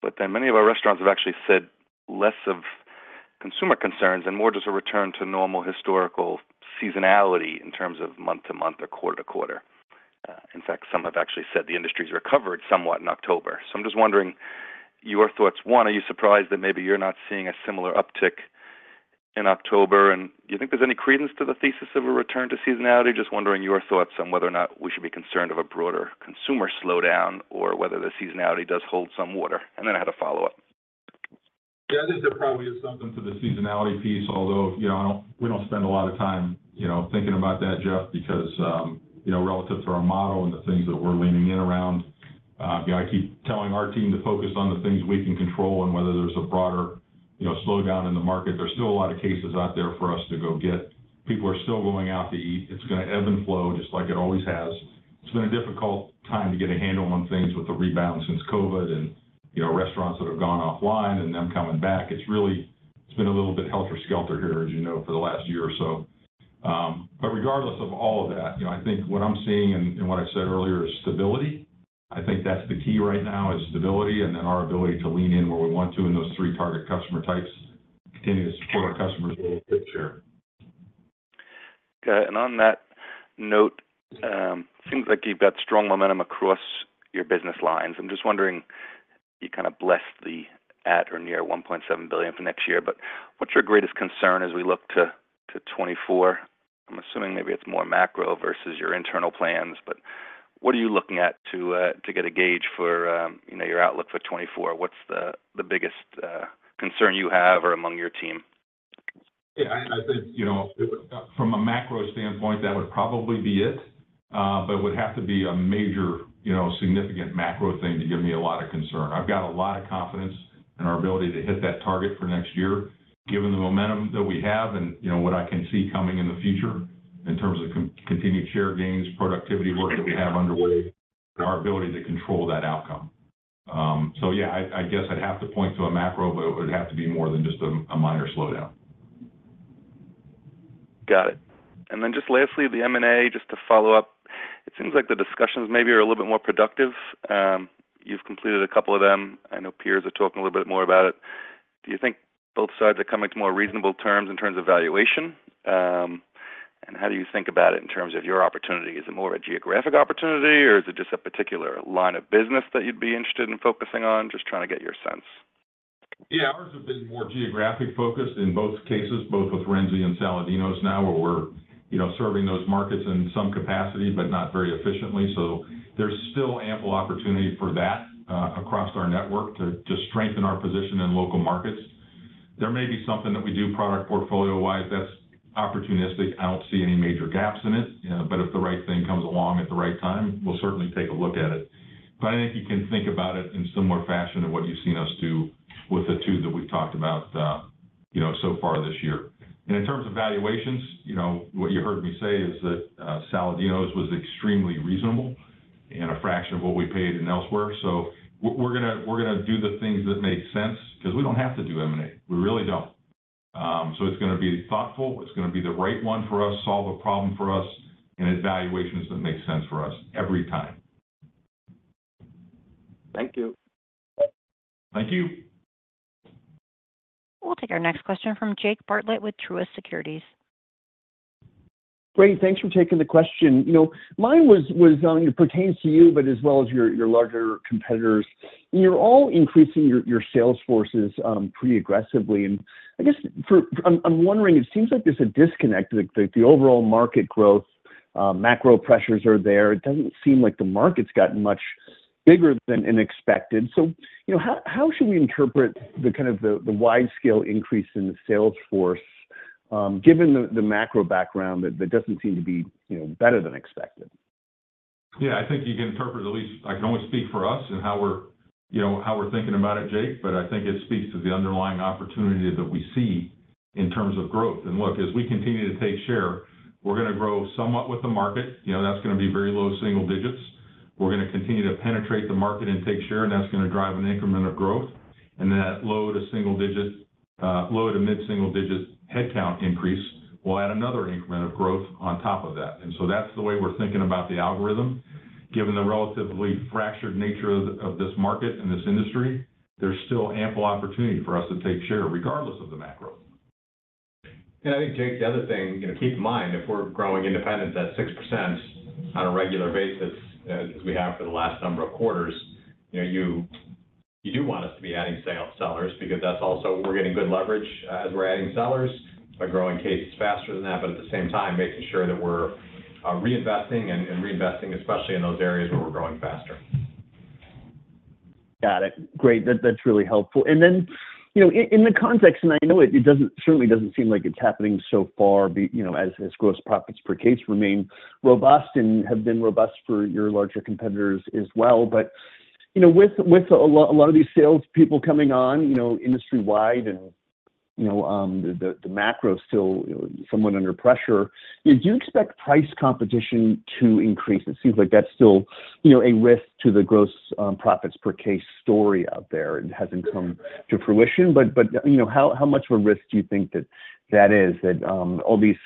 But then many of our restaurants have actually said less of consumer concerns and more just a return to normal historical seasonality in terms of month to month or quarter to quarter. In fact, some have actually said the industry's recovered somewhat in October. So I'm just wondering your thoughts. One, are you surprised that maybe you're not seeing a similar uptick in October, and do you think there's any credence to the thesis of a return to seasonality? Just wondering your thoughts on whether or not we should be concerned of a broader consumer slowdown or whether the seasonality does hold some water. Then I had a follow-up. Yeah, I think there probably is something to the seasonality piece, although, you know, we don't spend a lot of time, you know, thinking about that, Jeff, because, you know, relative to our model and the things that we're leaning in around, you know, I keep telling our team to focus on the things we can control and whether there's a broader, you know, slowdown in the market. There's still a lot of cases out there for us to go get. People are still going out to eat. It's gonna ebb and flow, just like it always has. It's been a difficult time to get a handle on things with the rebound since COVID and, you know, restaurants that have gone offline and them coming back. It's really been a little bit helter skelter here, as you know, for the last year or so. But regardless of all of that, you know, I think what I'm seeing and what I said earlier is stability. I think that's the key right now, is stability, and then our ability to lean in where we want to in those three target customer types, continue to support our customers with share. Okay, and on that note, seems like you've got strong momentum across your business lines. I'm just wondering, you kind of blessed the at or near $1.7 billion for next year, but what's your greatest concern as we look to 2024? I'm assuming maybe it's more macro versus your internal plans, but what are you looking at to get a gauge for, you know, your outlook for 2024? What's the biggest concern you have or among your team? Yeah, I think, you know, from a macro standpoint, that would probably be it. But it would have to be a major, you know, significant macro thing to give me a lot of concern. I've got a lot of confidence in our ability to hit that target for next year, given the momentum that we have and, you know, what I can see coming in the future in terms of continued share gains, productivity work that we have underway, and our ability to control that outcome. So yeah, I guess I'd have to point to a macro, but it would have to be more than just a minor slowdown. Got it. And then just lastly, the M&A, just to follow up, it seems like the discussions maybe are a little bit more productive. You've completed a couple of them. I know peers are talking a little bit more about it. Do you think both sides are coming to more reasonable terms in terms of valuation? How do you think about it in terms of your opportunity? Is it more a geographic opportunity, or is it just a particular line of business that you'd be interested in focusing on? Just trying to get your sense. Yeah, ours have been more geographic focused in both cases, both with Renzi and Saladino's now, where we're, you know, serving those markets in some capacity, but not very efficiently. So there's still ample opportunity for that across our network to strengthen our position in local markets. There may be something that we do product portfolio-wise that's opportunistic. I don't see any major gaps in it, but if the right thing comes along at the right time, we'll certainly take a look at it. But I think you can think about it in similar fashion to what you've seen us do with the two that we've talked about, you know, so far this year. And in terms of valuations, you know, what you heard me say is that, Saladino's was extremely reasonable and a fraction of what we paid in elsewhere. So we're gonna do the things that make sense, 'cause we don't have to do M&A. We really don't. So it's gonna be thoughtful, it's gonna be the right one for us, solve a problem for us, and it's valuations that make sense for us every time. Thank you. Thank you. We'll take our next question from Jake Bartlett with Truist Securities. Great, thanks for taking the question. You know, mine was, it pertains to you, but as well as your larger competitors. You're all increasing your sales forces pretty aggressively, and I guess I'm wondering, it seems like there's a disconnect, like the overall market growth, macro pressures are there. It doesn't seem like the market's gotten much bigger than unexpected. So, you know, how should we interpret the wide-scale increase in the sales force, given the macro background that doesn't seem to be better than expected? Yeah, I think you can interpret, at least... I can only speak for us and how we're, you know, how we're thinking about it, Jake, but I think it speaks to the underlying opportunity that we see in terms of growth. And look, as we continue to take share, we're gonna grow somewhat with the market. You know, that's gonna be very low single digits. We're gonna continue to penetrate the market and take share, and that's gonna drive an increment of growth. And then that low to single digit, low to mid-single digit headcount increase will add another increment of growth on top of that. And so that's the way we're thinking about the algorithm. Given the relatively fractured nature of this market and this industry, there's still ample opportunity for us to take share, regardless of the macro. I think, Jake, the other thing, you know, keep in mind, if we're growing independents at 6% on a regular basis, as we have for the last number of quarters, you know, you do want us to be adding sales sellers because that's also - we're getting good leverage, as we're adding sellers by growing cases faster than that, but at the same time, making sure that we're reinvesting and reinvesting, especially in those areas where we're growing faster. Got it. Great. That's really helpful. And then, you know, in the context, and I know it, it doesn't, certainly doesn't seem like it's happening so far, you know, as gross profits per case remain robust and have been robust for your larger competitors as well. But, you know, with a lot of these salespeople coming on, you know, industry-wide and, you know, the macro is still somewhat under pressure, do you expect price competition to increase? It seems like that's still, you know, a risk to the gross profits per case story out there, and hasn't come to fruition. But, you know, how much of a risk do you think that that is? That all these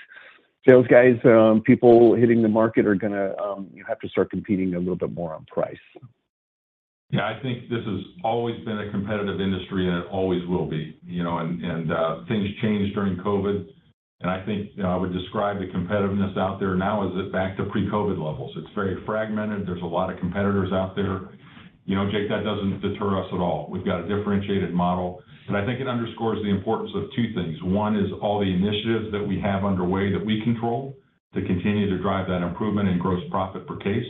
sales guys people hitting the market are gonna you have to start competing a little bit more on price. Yeah, I think this has always been a competitive industry, and it always will be. You know, and, and things changed during COVID, and I think I would describe the competitiveness out there now? Is it back to pre-COVID levels. It's very fragmented. There's a lot of competitors out there. You know, Jake, that doesn't deter us at all. We've got a differentiated model, and I think it underscores the importance of two things. One is all the initiatives that we have underway, that we control, to continue to drive that improvement in gross profit per case,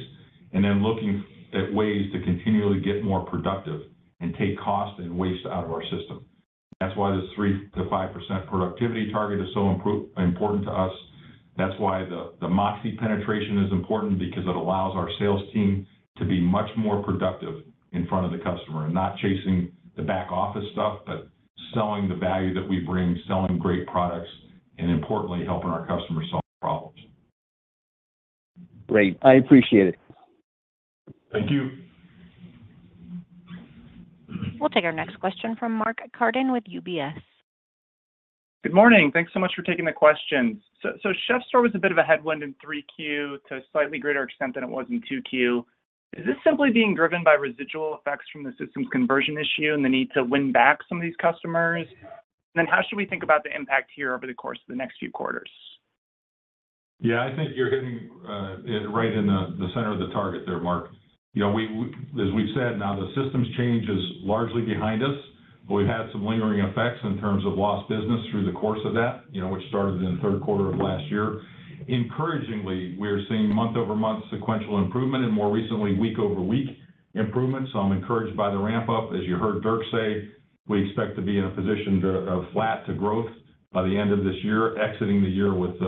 and then looking at ways to continually get more productive and take cost and waste out of our system. That's why the 3%-5% productivity target is so important to us. That's why the MOXē penetration is important because it allows our sales team to be much more productive in front of the customer, and not chasing the back office stuff, but selling the value that we bring, selling great products, and importantly, helping our customers solve problems. Great. I appreciate it. Thank you. We'll take our next question from Mark Carden with UBS. Good morning. Thanks so much for taking the questions. So, CHEF'STORE was a bit of a headwind in 3Q to a slightly greater extent than it was in 2Q. Is this simply being driven by residual effects from the systems conversion issue and the need to win back some of these customers? Then how should we think about the impact here over the course of the next few quarters? Yeah, I think you're hitting it right in the center of the target there, Mark. You know, we-- as we've said, now the systems change is largely behind us, but we've had some lingering effects in terms of lost business through the course of that, you know, which started in the third quarter of last year. Encouragingly, we're seeing month-over-month sequential improvement, and more recently, week-over-week improvement. So I'm encouraged by the ramp-up. As you heard Dirk say, we expect to be in a position of flat to growth by the end of this year, exiting the year with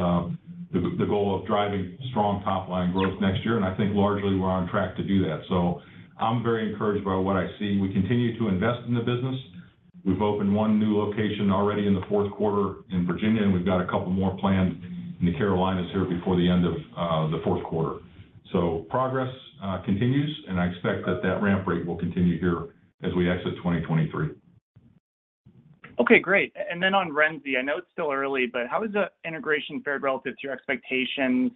the goal of driving strong top-line growth next year, and I think largely we're on track to do that. So I'm very encouraged by what I see. We continue to invest in the business. We've opened one new location already in the fourth quarter in Virginia, and we've got a couple more planned in the Carolinas here before the end of the fourth quarter. So progress continues, and I expect that that ramp rate will continue here as we exit 2023. Okay, great. And then on Renzi, I know it's still early, but how has the integration fared relative to your expectations?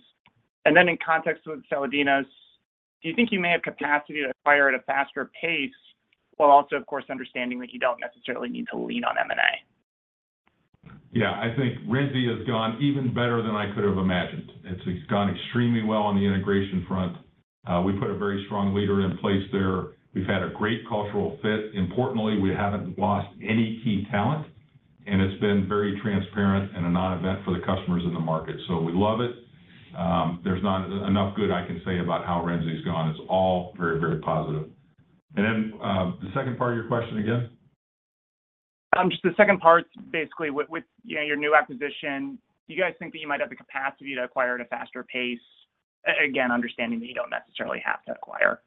And then in context with Saladino's, do you think you may have capacity to acquire at a faster pace, while also, of course, understanding that you don't necessarily need to lean on M&A? Yeah. I think Renzi has gone even better than I could have imagined. It's gone extremely well on the integration front. We put a very strong leader in place there. We've had a great cultural fit. Importantly, we haven't lost any key talent, and it's been very transparent and a non-event for the customers in the market. So we love it.... There's not enough good I can say about how Renzi's gone. It's all very, very positive. And then, the second part of your question again? Just the second part, basically, with, with, you know, your new acquisition, do you guys think that you might have the capacity to acquire at a faster pace? Again, understanding that you don't necessarily have to acquire.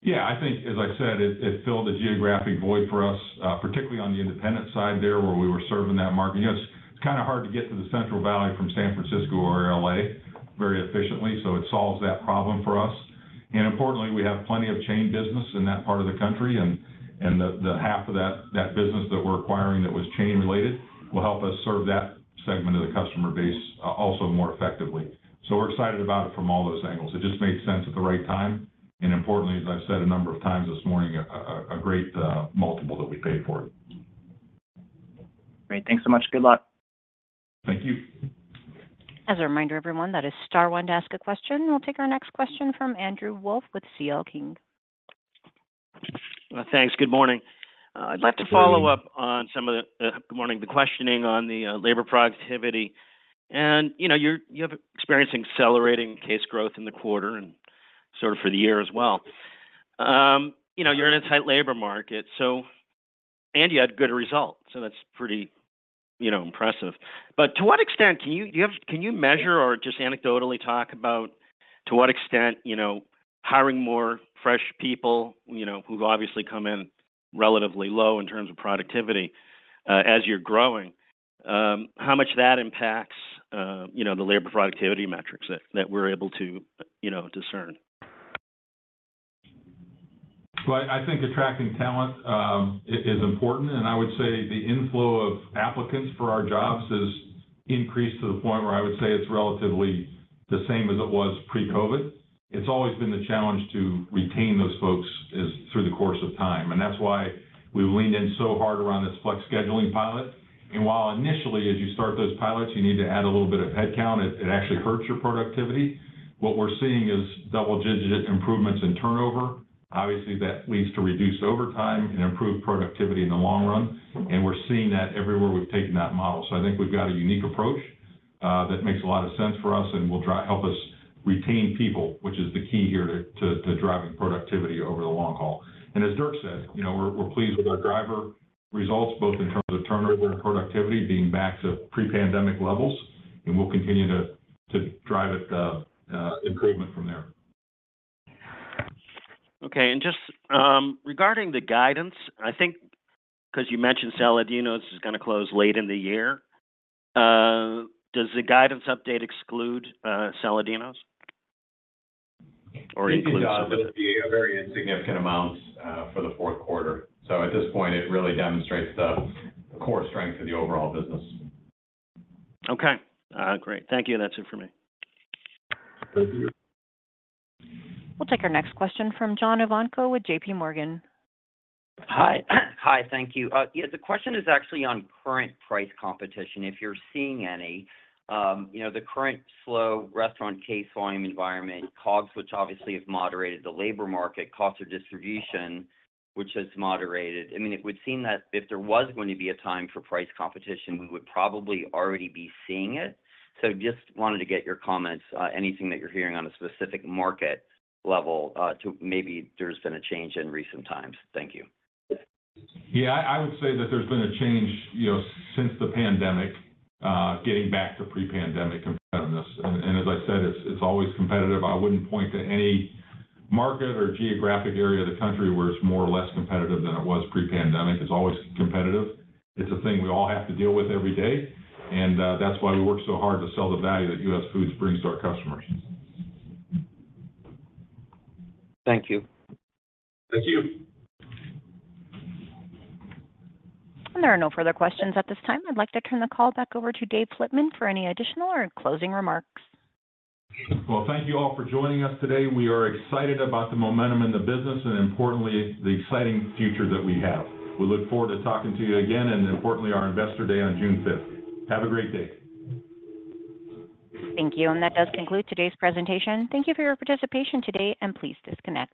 Yeah, I think, as I said, it, it filled a geographic void for us, particularly on the independent side there, where we were serving that market. You know, it's kind of hard to get to the Central Valley from San Francisco or LA very efficiently, so it solves that problem for us. And importantly, we have plenty of chain business in that part of the country, and, and the, the half of that, that business that we're acquiring that was chain-related will help us serve that segment of the customer base, also more effectively. So we're excited about it from all those angles. It just made sense at the right time, and importantly, as I've said a number of times this morning, a, a, a great, multiple that we paid for it. Great. Thanks so much. Good luck. Thank you. As a reminder, everyone, that is star one to ask a question. We'll take our next question from Andrew Wolf with CL King. Well, thanks. Good morning. Good morning. I'd like to follow up on some of the good morning, the questioning on the labor productivity. And, you know, you're- you have experienced accelerating case growth in the quarter and sort of for the year as well. You know, you're in a tight labor market, so, and you had good results, so that's pretty, you know, impressive. But to what extent can you... Do you have- can you measure or just anecdotally talk about, to what extent, you know, hiring more fresh people, you know, who've obviously come in relatively low in terms of productivity, as you're growing, how much that impacts, you know, the labor productivity metrics that, that we're able to, you know, discern? Well, I think attracting talent is important, and I would say the inflow of applicants for our jobs has increased to the point where I would say it's relatively the same as it was pre-COVID. It's always been the challenge to retain those folks as through the course of time, and that's why we leaned in so hard around this flex scheduling pilot. While initially, as you start those pilots, you need to add a little bit of headcount, it actually hurts your productivity. What we're seeing is double-digit improvements in turnover. Obviously, that leads to reduced overtime and improved productivity in the long run, and we're seeing that everywhere we've taken that model. So I think we've got a unique approach that makes a lot of sense for us and will help us retain people, which is the key here to driving productivity over the long haul. And as Dirk said, you know, we're pleased with our driver results, both in terms of turnover and productivity being back to pre-pandemic levels, and we'll continue to drive it improvement from there. Okay. And just, regarding the guidance, I think because you mentioned Saladino's is gonna close late in the year, does the guidance update exclude Saladino's, or includes Saladino's? It will be a very insignificant amount, for the fourth quarter. So at this point, it really demonstrates the core strength of the overall business. Okay. Great. Thank you. That's it for me. Thank you. We'll take our next question from John Ivankoe with J.P. Morgan. Hi. Hi, thank you. Yeah, the question is actually on current price competition, if you're seeing any. You know, the current slow restaurant case volume environment, COGS, which obviously has moderated the labor market, cost of distribution, which has moderated. I mean, it would seem that if there was going to be a time for price competition, we would probably already be seeing it. So just wanted to get your comments, anything that you're hearing on a specific market level, to maybe there's been a change in recent times. Thank you. Yeah, I would say that there's been a change, you know, since the pandemic, getting back to pre-pandemic competitiveness. And as I said, it's always competitive. I wouldn't point to any market or geographic area of the country where it's more or less competitive than it was pre-pandemic. It's always competitive. It's a thing we all have to deal with every day, and that's why we work so hard to sell the value that US Foods brings to our customers. Thank you. Thank you. There are no further questions at this time. I'd like to turn the call back over to Dave Flitman for any additional or closing remarks. Well, thank you all for joining us today. We are excited about the momentum in the business and importantly, the exciting future that we have. We look forward to talking to you again, and importantly, our Investor Day on June fifth. Have a great day. Thank you, and that does conclude today's presentation. Thank you for your participation today, and please disconnect.